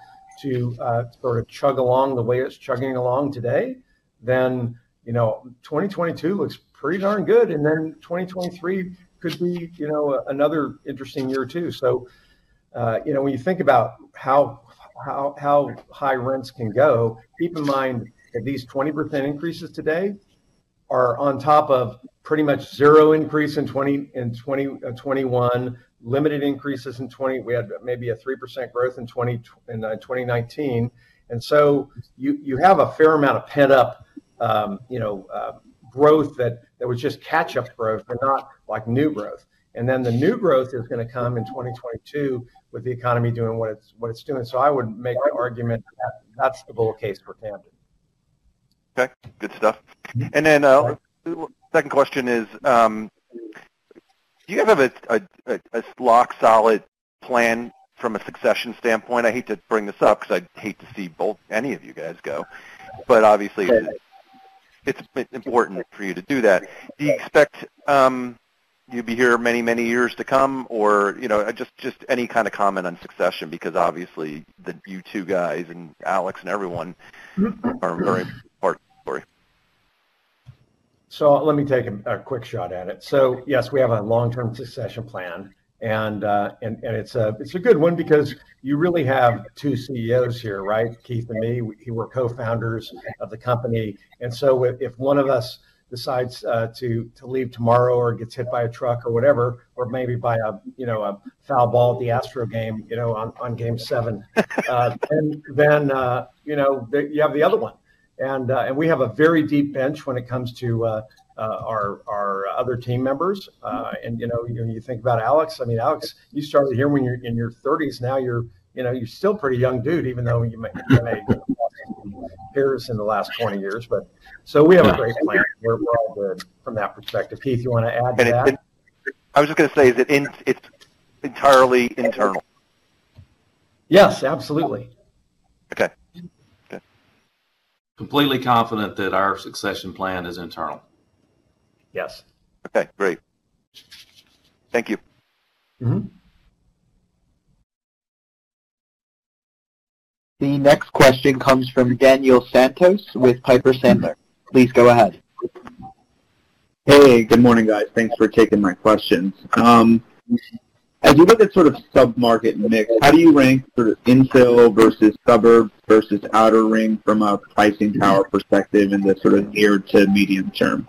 sort of chug along the way it's chugging along today, then, you know, 2022 looks pretty darn good. 2023 could be, you know, another interesting year too. You know, when you think about how high rents can go, keep in mind that these 20% increases today are on top of pretty much zero increase in 2021, limited increases in 2020. We had maybe a 3% growth in 2019. You have a fair amount of pent-up, you know, growth that was just catch-up growth but not like new growth. The new growth is gonna come in 2022 with the economy doing what it's doing. I would make the argument that that's the bull case for Camden. Okay, good stuff. Second question is, do you guys have a solid plan from a succession standpoint? I hate to bring this up because I'd hate to see both, any of you guys go. Obviously Right It's important for you to do that. Do you expect you'll be here many years to come? Or, you know, just any kind of comment on succession, because obviously you two guys and Alex and everyone are a very important story. Let me take a quick shot at it. Yes, we have a long-term succession plan, and it's a good one because you really have two CEOs here, right? Keith and me, we were co-founders of the company. If one of us decides to leave tomorrow or gets hit by a truck or whatever, or maybe by a foul ball at the Astros game, you know, on Game 7, then you have the other one. We have a very deep bench when it comes to our other team members. You know, when you think about Alex, I mean, Alex, you started here when you were in your thirties. Now you're, you know, you're still a pretty young dude, even though you may have many peers in the last 20 years. We have a great plan. We're all good from that perspective. Keith, you want to add to that? I was just gonna say, is it entirely internal? Yes, absolutely. Okay. Completely confident that our succession plan is internal. Yes. Okay, great. Thank you. Mm-hmm. The next question comes from Daniel Santos with Piper Sandler. Please go ahead. Hey, good morning, guys. Thanks for taking my questions. As you look at sort of sub-market mix, how do you rank sort of infill versus suburbs versus outer ring from a pricing power perspective in the sort of near to medium term?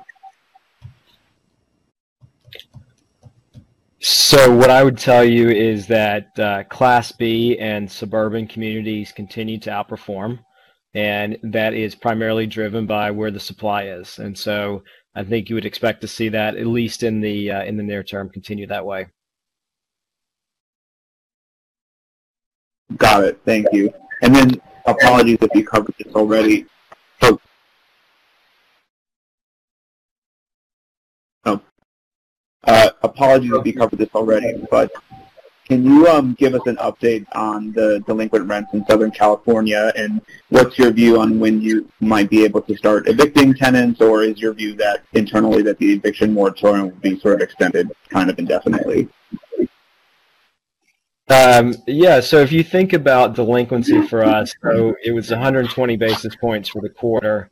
What I would tell you is that Class B and suburban communities continue to outperform, and that is primarily driven by where the supply is. I think you would expect to see that at least in the near term continue that way. Got it. Thank you. Apologies if you covered this already, but can you give us an update on the delinquent rents in Southern California, and what's your view on when you might be able to start evicting tenants? Or is your view that internally that the eviction moratorium will be sort of extended kind of indefinitely? If you think about delinquency for us, it was 120 basis points for the quarter.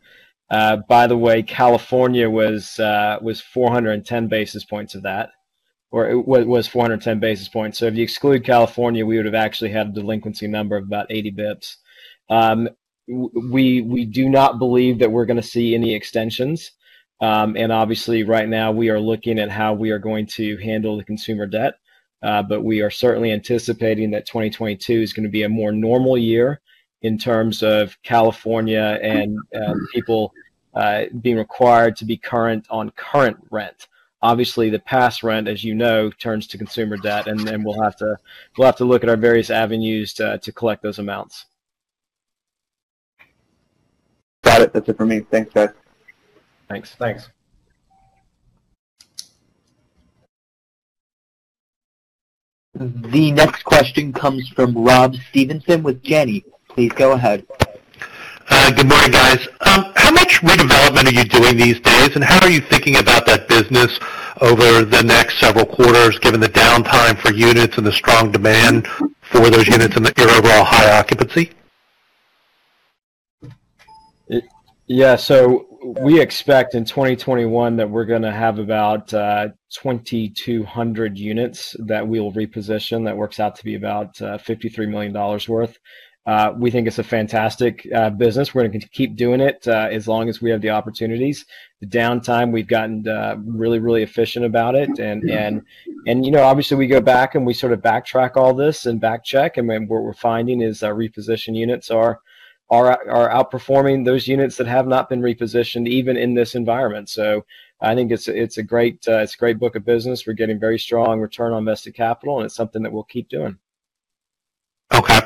By the way, California was 410 basis points of that. If you exclude California, we would have actually had a delinquency number of about 80 basis points. We do not believe that we're gonna see any extensions. Obviously right now we are looking at how we are going to handle the consumer debt. We are certainly anticipating that 2022 is gonna be a more normal year in terms of California and people being required to be current on current rent. Obviously, the past rent, as you know, turns to consumer debt, and then we'll have to look at our various avenues to collect those amounts. Got it. That's it for me. Thanks, guys. Thanks. Thanks. The next question comes from Rob Stevenson with Janney. Please go ahead. Good morning, guys. How much redevelopment are you doing these days, and how are you thinking about that business over the next several quarters, given the downtime for units and the strong demand for those units and your overall high occupancy? We expect in 2021 that we're gonna have about 2,200 units that we'll reposition. That works out to be about $53 million worth. We think it's a fantastic business. We're gonna keep doing it as long as we have the opportunities. The downtime, we've gotten really efficient about it. You know, obviously we go back and we sort of backtrack all this and backcheck. What we're finding is our reposition units are outperforming those units that have not been repositioned even in this environment. I think it's a great book of business. We're getting very strong return on invested capital, and it's something that we'll keep doing. Okay.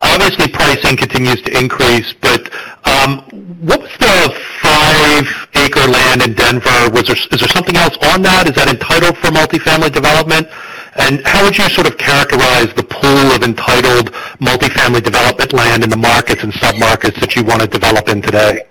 Obviously pricing continues to increase, but what was the five-acre land in Denver? Is there something else on that? Is that entitled for multi-family development? How would you sort of characterize the pool of entitled multi-family development land in the markets and submarkets that you wanna develop in today?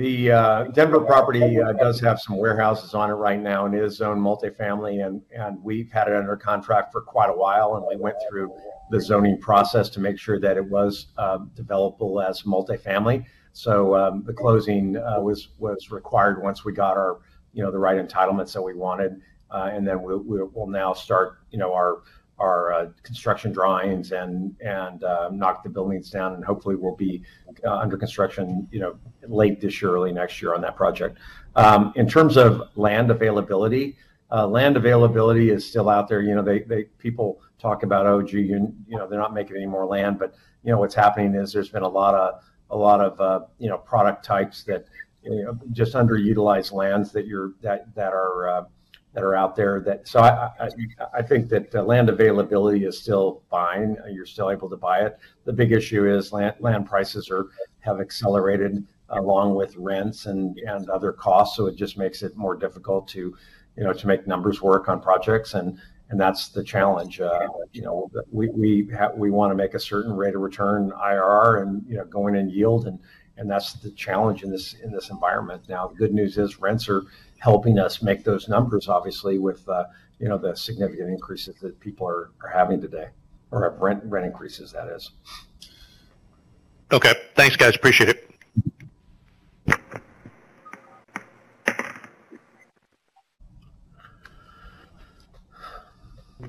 The Denver property does have some warehouses on it right now and is zoned multi-family and we've had it under contract for quite a while, and we went through the zoning process to make sure that it was developable as multi-family. The closing was required once we got our, you know, the right entitlements that we wanted. And then we will now start, you know, our construction drawings and knock the buildings down, and hopefully we'll be under construction, you know, late this year, early next year on that project. In terms of land availability, land availability is still out there. You know, people talk about, oh, gee, you know, they're not making any more land. you know, what's happening is there's been a lot of product types that just underutilized lands that are out there. I think that the land availability is still fine. You're still able to buy it. The big issue is land prices have accelerated along with rents and other costs, so it just makes it more difficult to make numbers work on projects, and that's the challenge. You know, we wanna make a certain rate of return IRR and going in yield and that's the challenge in this environment. Now, the good news is rents are helping us make those numbers obviously with, you know, the significant increases that people are having today, or rent increases, that is. Okay. Thanks, guys. Appreciate it.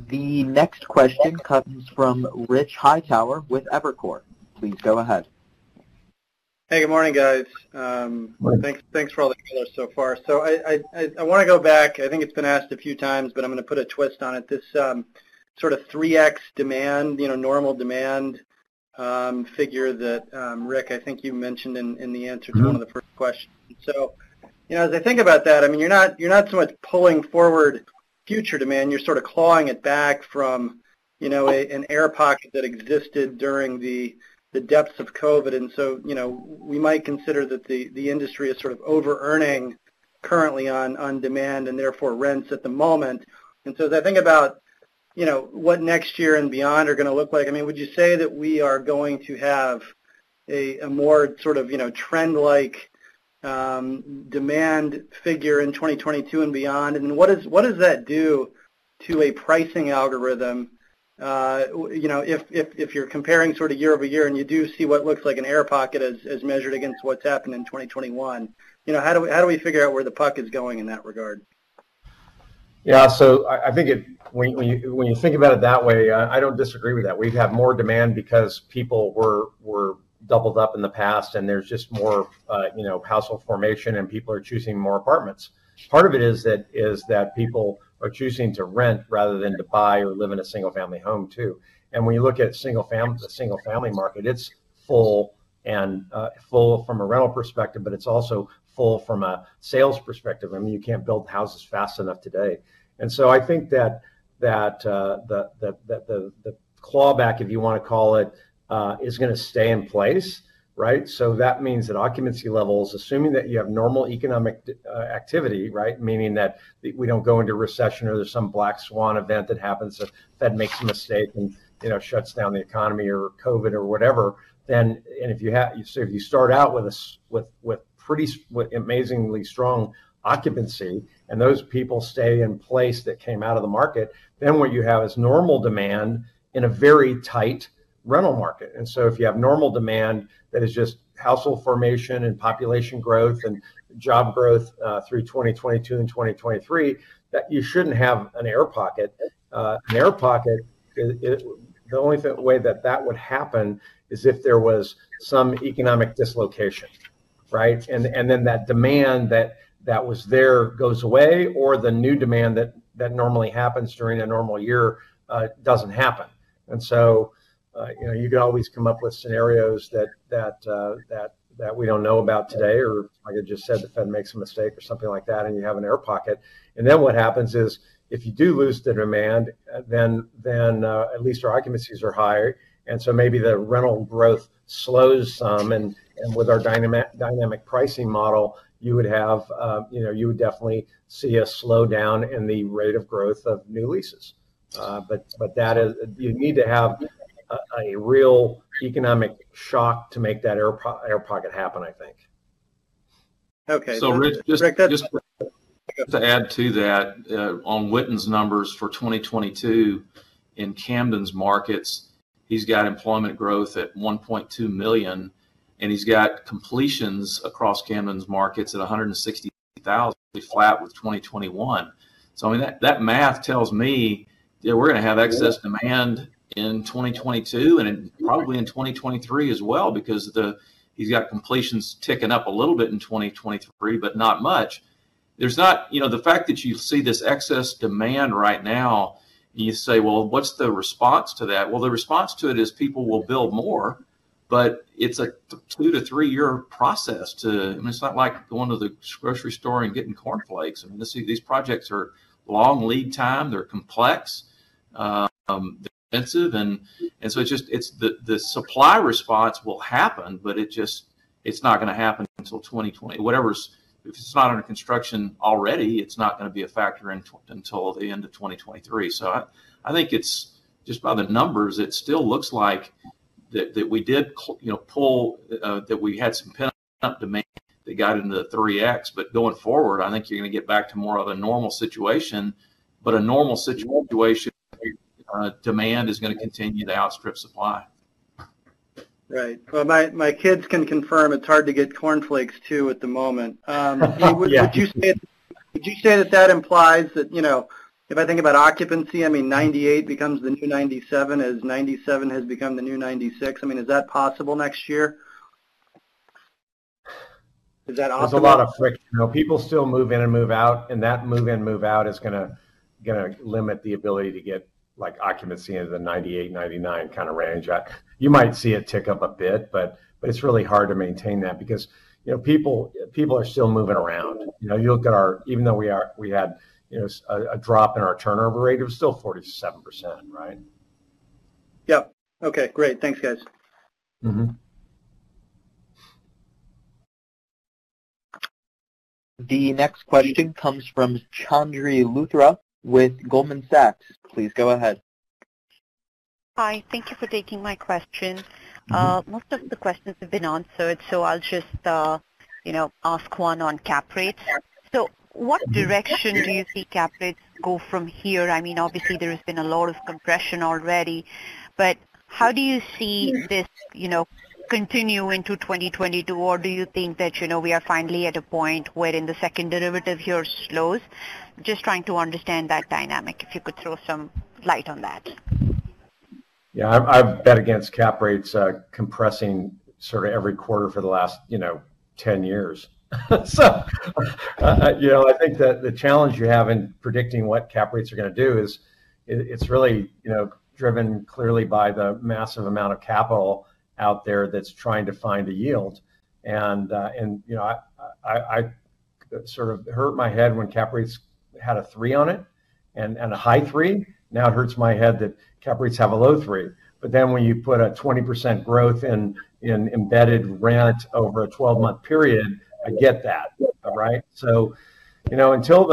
The next question comes from Richard Hightower with Evercore. Please go ahead. Hey, good morning, guys. Thanks for all the color so far. I wanna go back. I think it's been asked a few times, but I'm gonna put a twist on it. This sort of 3x demand, you know, normal demand figure that Ric, I think you mentioned in the answer to one of the first questions. You know, as I think about that, I mean, you're not so much pulling forward future demand, you're sort of clawing it back from, you know, an air pocket that existed during the depths of COVID. You know, we might consider that the industry is sort of overearning currently on demand and therefore rents at the moment. As I think about, you know, what next year and beyond are gonna look like, I mean, would you say that we are going to have a more sort of, you know, trend-like demand figure in 2022 and beyond? What does that do to a pricing algorithm, you know, if you're comparing sort of year-over-year and you do see what looks like an air pocket as measured against what's happened in 2021? You know, how do we figure out where the puck is going in that regard? When you think about it that way, I don't disagree with that. We have more demand because people were doubled up in the past, and there's just more, you know, household formation, and people are choosing more apartments. Part of it is that people are choosing to rent rather than to buy or live in a single-family home too. When you look at the single-family market, it's full from a rental perspective, but it's also full from a sales perspective. I mean, you can't build houses fast enough today. I think that the clawback, if you wanna call it, is gonna stay in place, right? That means that occupancy levels, assuming that you have normal economic activity, right? Meaning that we don't go into recession or there's some black swan event that happens, the Fed makes a mistake and you know, shuts down the economy or COVID or whatever, then. If you start out with amazingly strong occupancy, and those people stay in place that came out of the market, then what you have is normal demand in a very tight rental market. If you have normal demand that is just household formation and population growth and job growth through 2022 and 2023, that you shouldn't have an air pocket, the only way that would happen is if there was some economic dislocation, right? Then that demand that was there goes away, or the new demand that normally happens during a normal year doesn't happen. You know, you could always come up with scenarios that we don't know about today, or like I just said, the Fed makes a mistake or something like that, and you have an air pocket. What happens is if you do lose the demand, then at least our occupancies are higher, and maybe the rental growth slows some. With our dynamic pricing model, you would have, you know, you would definitely see a slowdown in the rate of growth of new leases. But you'd need to have a real economic shock to make that air pocket happen, I think. Okay. Rich, just Ric, that-... to add to that, on Witten's numbers for 2022 in Camden's markets, he's got employment growth at 1.2 million, and he's got completions across Camden's markets at 160,000, flat with 2021. I mean, that math tells me, you know, we're gonna have excess- Yeah Demand in 2022, and probably in 2023 as well, because he's got completions ticking up a little bit in 2023, but not much. You know, the fact that you see this excess demand right now, and you say, "Well, what's the response to that?" Well, the response to it is people will build more, but it's a two-three-year process. I mean, it's not like going to the grocery store and getting cornflakes. I mean, these projects are long lead time. They're complex, they're expensive, and so it's just the supply response will happen, but it just it's not gonna happen until 2020. If it's not under construction already, it's not gonna be a factor until the end of 2023. I think it's just by the numbers, it still looks like that we did, you know, pull that we had some pent-up demand that got into the 3X. I think you're gonna get back to more of a normal situation. A normal situation where demand is gonna continue to outstrip supply. Right. Well, my kids can confirm it's hard to get cornflakes too at the moment. Yeah. Would you say that implies that, you know? If I think about occupancy, I mean, 98 becomes the new 97, as 97 has become the new 96. I mean, is that possible next year? Is that optimal? There's a lot of friction. You know, people still move in and move out, and that move in, move out is gonna limit the ability to get, like, occupancy into the 98%-99% kind of range. You might see it tick up a bit, but it's really hard to maintain that because, you know, people are still moving around. You know, you look at our even though we had, you know, a drop in our turnover rate, it was still 47%, right? Yep. Okay. Great. Thanks, guys. Mm-hmm. The next question comes from Chandni Luthra with Goldman Sachs. Please go ahead. Hi. Thank you for taking my question. Most of the questions have been answered, so I'll just, you know, ask one on cap rates. What direction do you see cap rates go from here? I mean, obviously, there has been a lot of compression already, but how do you see this, you know, continue into 2022? Or do you think that, you know, we are finally at a point wherein the second derivative here slows? Just trying to understand that dynamic, if you could throw some light on that. Yeah. I've bet against cap rates compressing sort of every quarter for the last, you know, 10 years. You know, I think that the challenge you have in predicting what cap rates are gonna do is, it's really, you know, driven clearly by the massive amount of capital out there that's trying to find a yield. You know, I sort of hurt my head when cap rates had a three on it, and a high three. Now it hurts my head that cap rates have a low three. When you put a 20% growth in embedded rent over a 12-month period, I get that, right? You know, until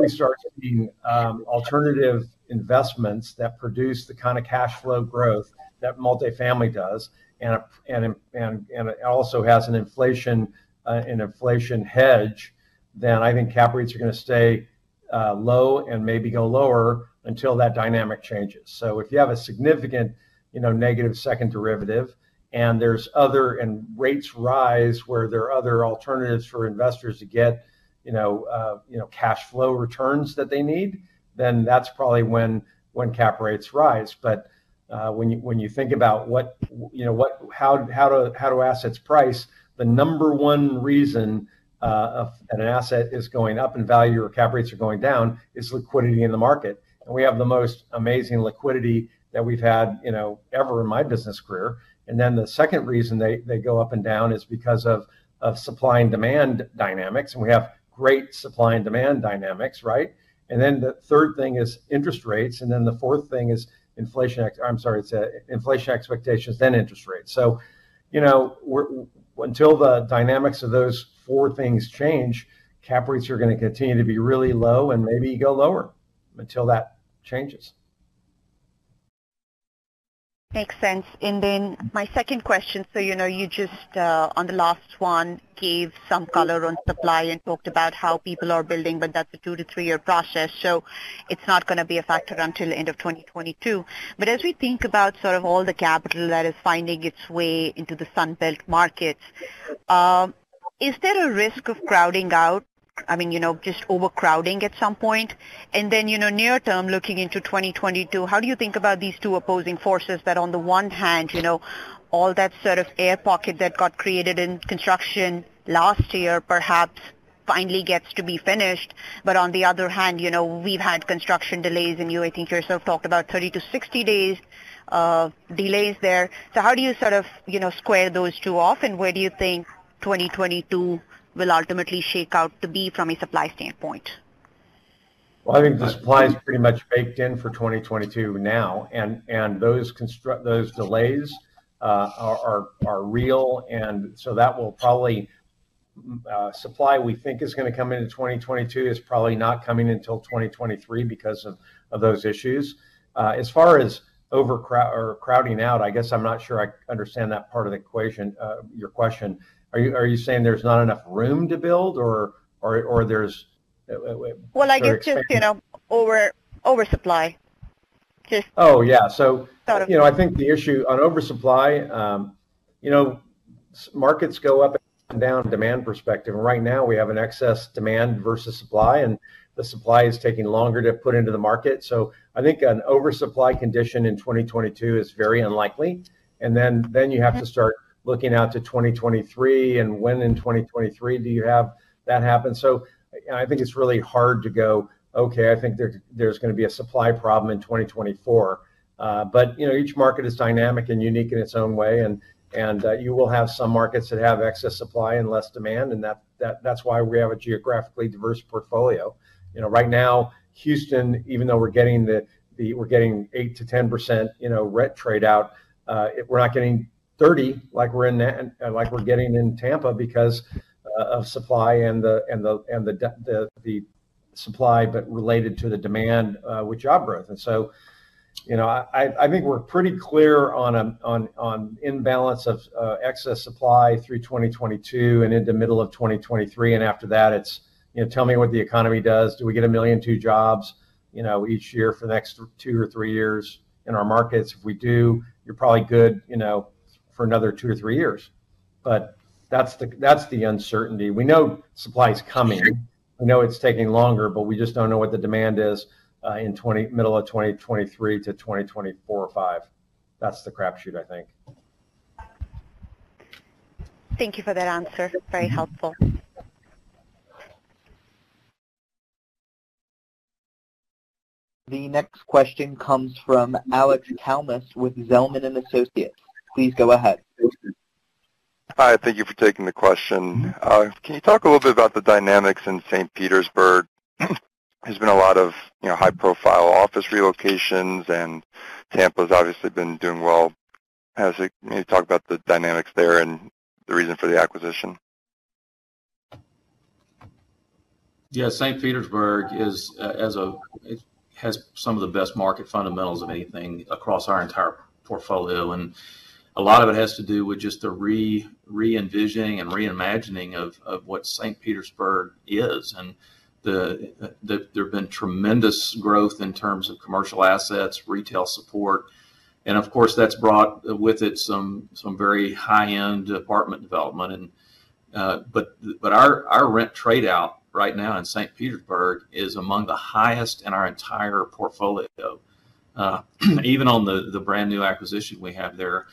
we start seeing alternative investments that produce the kind of cash flow growth that multifamily does, and it also has an inflation hedge, then I think cap rates are gonna stay low and maybe go lower until that dynamic changes. If you have a significant, you know, negative second derivative, and rates rise where there are other alternatives for investors to get, you know, cash flow returns that they need, then that's probably when cap rates rise. When you think about what, you know, how assets price, the number one reason an asset is going up in value or cap rates are going down is liquidity in the market. We have the most amazing liquidity that we've had, you know, ever in my business career. The second reason they go up and down is because of supply and demand dynamics, and we have great supply and demand dynamics, right? The third thing is interest rates, and the fourth thing is inflation—I'm sorry, it's inflation expectations, then interest rates. You know, until the dynamics of those four things change, cap rates are gonna continue to be really low and maybe go lower, until that changes. Makes sense. My second question, you know, you just on the last one gave some color on supply and talked about how people are building, but that's a two-three-year process, so it's not gonna be a factor until end of 2022. As we think about sort of all the capital that is finding its way into the Sunbelt markets, is there a risk of crowding out? I mean, you know, just overcrowding at some point. Then, you know, near term, looking into 2022, how do you think about these two opposing forces that on the one hand, you know, all that sort of air pocket that got created in construction last year perhaps finally gets to be finished, but on the other hand, you know, we've had construction delays, and you, I think yourself, talked about 30-60 days of delays there. How do you sort of, you know, square those two off, and where do you think 2022 will ultimately shake out to be from a supply standpoint? Well, I think the supply is pretty much baked in for 2022 now, and those construction delays are real, so the supply we think is gonna come in in 2022 is probably not coming until 2023 because of those issues. As far as crowding out, I guess I'm not sure I understand that part of the equation, your question. Are you saying there's not enough room to build or there's wait- Well, I guess just, you know, oversupply. Oh, yeah. Sort of. You know, I think the issue on oversupply, you know, Sunbelt markets go up and down from a demand perspective. Right now we have an excess demand versus supply, and the supply is taking longer to put into the market. I think an oversupply condition in 2022 is very unlikely. Then Mm-hmm Then you have to start looking out to 2023, and when in 2023 do you have that happen? You know, I think it's really hard to go, "Okay, I think there's gonna be a supply problem in 2024." But you know, each market is dynamic and unique in its own way, and you will have some markets that have excess supply and less demand, and that's why we have a geographically diverse portfolio. You know, right now, Houston, even though we're getting 8%-10%, you know, rent growth, we're not getting 30% like we're getting in Tampa because of the supply but related to the demand with job growth. You know, I think we're pretty clear on an imbalance of excess supply through 2022 and into middle of 2023, and after that it's, you know, tell me what the economy does. Do we get 1.2 million jobs, you know, each year for the next two or three years in our markets? If we do, you're probably good, you know, for another two or three years. That's the uncertainty. We know supply's coming. Sure. We know it's taking longer, but we just don't know what the demand is in middle of 2023 to 2024 or 2025. That's the crapshoot, I think. Thank you for that answer. Very helpful. The next question comes from Alex Kalmus with Zelman & Associates. Please go ahead. Hi, thank you for taking the question. Mm-hmm. Can you talk a little bit about the dynamics in St. Petersburg? There's been a lot of, you know, high-profile office relocations, and Tampa's obviously been doing well. Can you talk about the dynamics there and the reason for the acquisition? Yeah, St. Petersburg has some of the best market fundamentals of anything across our entire portfolio, and a lot of it has to do with just the re-envisioning and reimagining of what St. Petersburg is, and there've been tremendous growth in terms of commercial assets, retail support, and of course, that's brought with it some very high-end apartment development. But our rent growth right now in St. Petersburg is among the highest in our entire portfolio. Even on the brand-new acquisition we have there,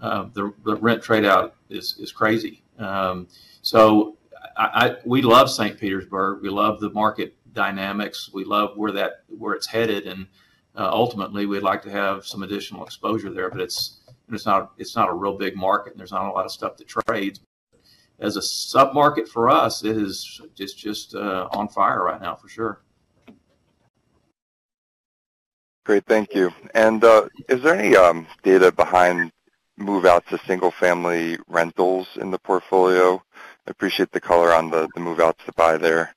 the rent growth is crazy. We love St. Petersburg. We love the market dynamics. We love where it's headed, and ultimately we'd like to have some additional exposure there, but it's not a real big market, and there's not a lot of stuff that trades. As a sub-market for us, it is just on fire right now, for sure. Great. Thank you. Is there any data behind move-outs to single family rentals in the portfolio? I appreciate the color on the move-out supply there.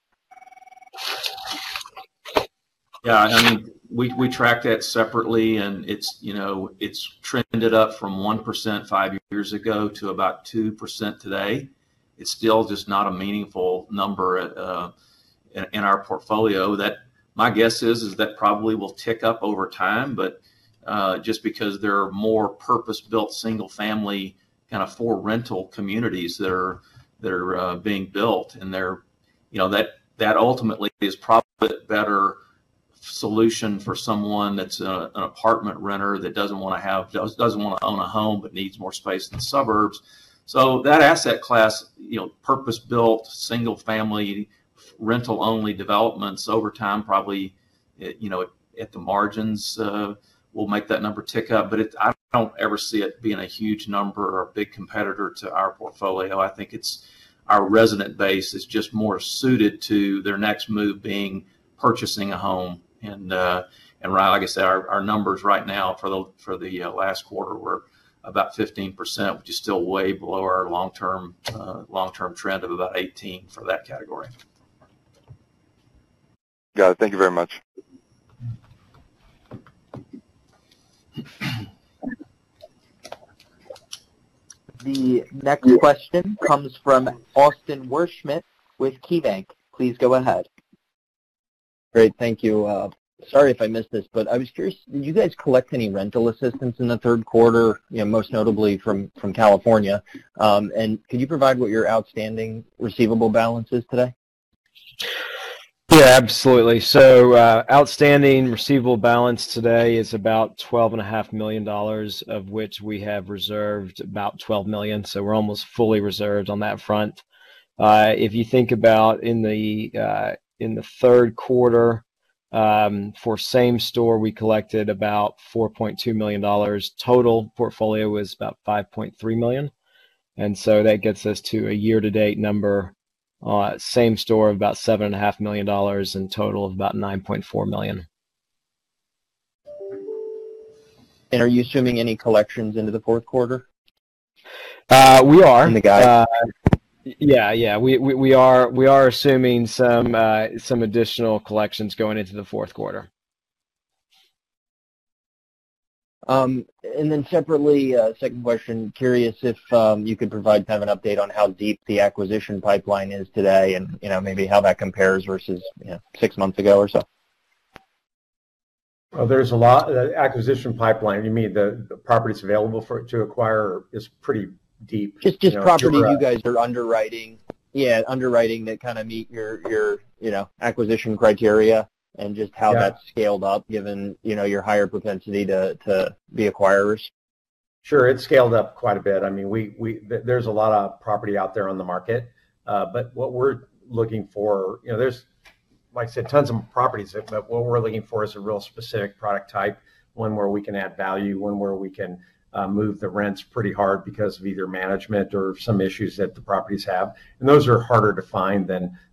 Yeah, I mean, we track that separately, and it's, you know, it's trended up from 1% five years ago to about 2% today. It's still just not a meaningful number yet in our portfolio. My guess is that probably will tick up over time, but just because there are more purpose-built single family kind of for rental communities that are being built. You know, that ultimately is probably a better solution for someone that's an apartment renter that doesn't wanna own a home but needs more space in the suburbs. That asset class, you know, purpose-built, single family, rental-only developments over time probably you know at the margins will make that number tick up. But it I don't ever see it being a huge number or a big competitor to our portfolio. I think it's our resident base is just more suited to their next move being purchasing a home and like I said, our numbers right now for the last quarter were about 15%, which is still way below our long-term trend of about 18% for that category. Got it. Thank you very much. The next question comes from Austin Wurschmidt with KeyBanc. Please go ahead. Great. Thank you. Sorry if I missed this, but I was curious, did you guys collect any rental assistance in the third quarter, you know, most notably from California? Could you provide what your outstanding receivable balance is today? Yeah, absolutely. Outstanding receivable balance today is about $12.5 million, of which we have reserved about $12 million. We're almost fully reserved on that front. If you think about in the third quarter for same store, we collected about $4.2 million. Total portfolio was about $5.3 million. That gets us to a year-to-date number, same store of about $7.5 million and total of about $9.4 million. Are you assuming any collections into the fourth quarter? We are. In the guide. Yeah. We are assuming some additional collections going into the fourth quarter. Separately, second question, curious if you could provide kind of an update on how deep the acquisition pipeline is today and, you know, maybe how that compares versus, you know, six months ago or so? Well, there's a lot. The acquisition pipeline, you mean the properties available to acquire is pretty deep, you know. Just property you guys are underwriting. Yeah, underwriting that kind of meet your you know acquisition criteria and just how that's. Yeah. scaled up given, you know, your higher propensity to be acquirers. Sure. It's scaled up quite a bit. I mean, there's a lot of property out there on the market, but what we're looking for. You know, there's, like I said, tons of properties, but what we're looking for is a real specific product type, one where we can add value, one where we can move the rents pretty hard because of either management or some issues that the properties have. Those are harder to find than just your, you know,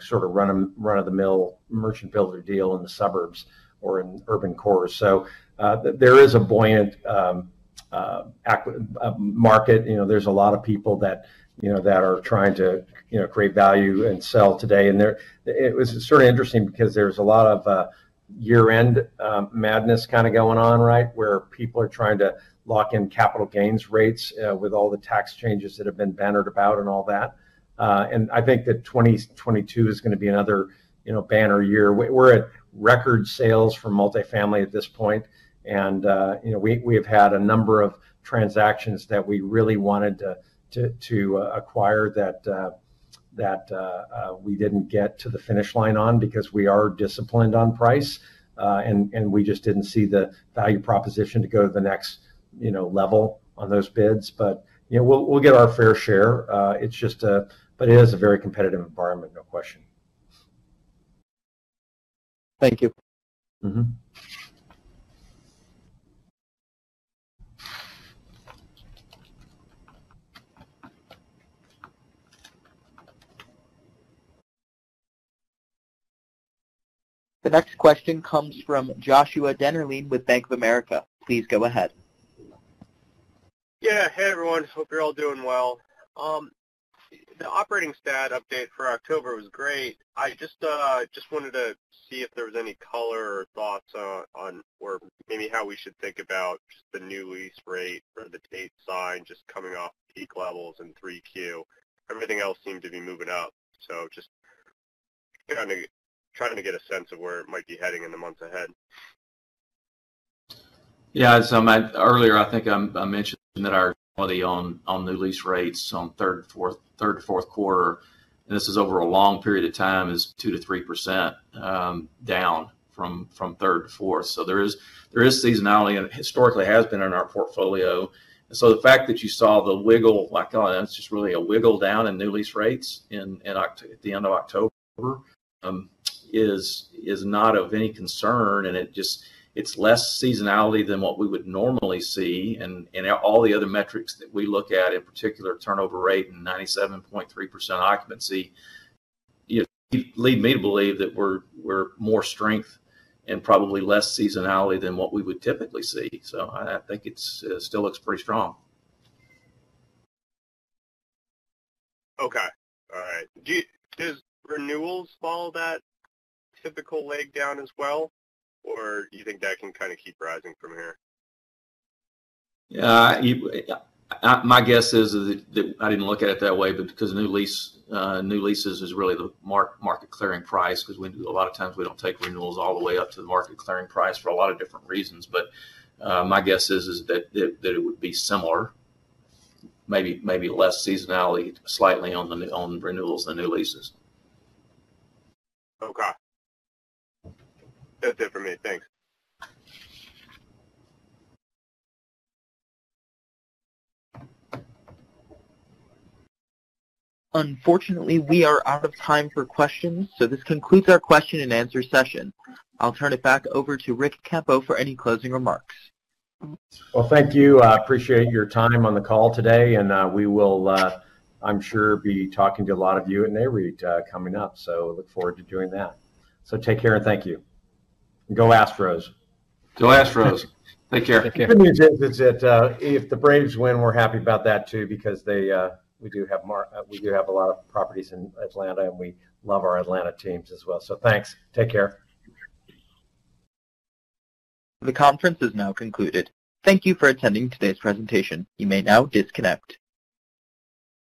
sort of run-of-the-mill merchant builder deal in the suburbs or in urban cores. There is a buoyant active market. You know, there's a lot of people that, you know, that are trying to, you know, create value and sell today. It was sort of interesting because there's a lot of year-end madness kind of going on, right? Where people are trying to lock in capital gains rates with all the tax changes that have been bandied about and all that. I think that 2022 is gonna be another banner year. We're at record sales for multifamily at this point. We have had a number of transactions that we really wanted to acquire that we didn't get to the finish line on because we are disciplined on price, and we just didn't see the value proposition to go to the next level on those bids. You know, we'll get our fair share. It's just a It is a very competitive environment, no question. Thank you. Mm-hmm. The next question comes from Joshua Dennerlein with Bank of America. Please go ahead. Yeah. Hey, everyone. Hope you're all doing well. The operating stat update for October was great. I just wanted to see if there was any color or thoughts on or maybe how we should think about just the new lease rate or the date signed just coming off peak levels in 3Q. Everything else seemed to be moving up. Just, you know, maybe trying to get a sense of where it might be heading in the months ahead. Yeah. Earlier, I think, I mentioned that our quality on new lease rates on third, fourth quarter, and this is over a long period of time, is 2%-3% down from third to fourth. There is seasonality and historically has been in our portfolio. The fact that you saw the wiggle, like, it's just really a wiggle down in new lease rates in October at the end of October is not of any concern, and it just. It's less seasonality than what we would normally see. All the other metrics that we look at, in particular turnover rate and 97.3% occupancy, you know, lead me to believe that we're more strength and probably less seasonality than what we would typically see. I think it's still looks pretty strong. Okay. All right. Does renewals follow that typical leg down as well, or do you think that can kind of keep rising from here? My guess is that I didn't look at it that way, but because new leases is really the market clearing price, because a lot of times we don't take renewals all the way up to the market clearing price for a lot of different reasons. My guess is that it would be similar, maybe less seasonality slightly on renewals than new leases. Okay. That's it for me. Thanks. Unfortunately, we are out of time for questions, so this concludes our question and answer session. I'll turn it back over to Ric Campo for any closing remarks. Well, thank you. I appreciate your time on the call today, and we will, I'm sure, be talking to a lot of you at Nareit coming up, so look forward to doing that. Take care and thank you. Go Astros. Go Astros. Take care. The good news is that if the Braves win, we're happy about that too, because we do have a lot of properties in Atlanta, and we love our Atlanta teams as well. Thanks. Take care. The conference is now concluded. Thank you for attending today's presentation. You may now disconnect.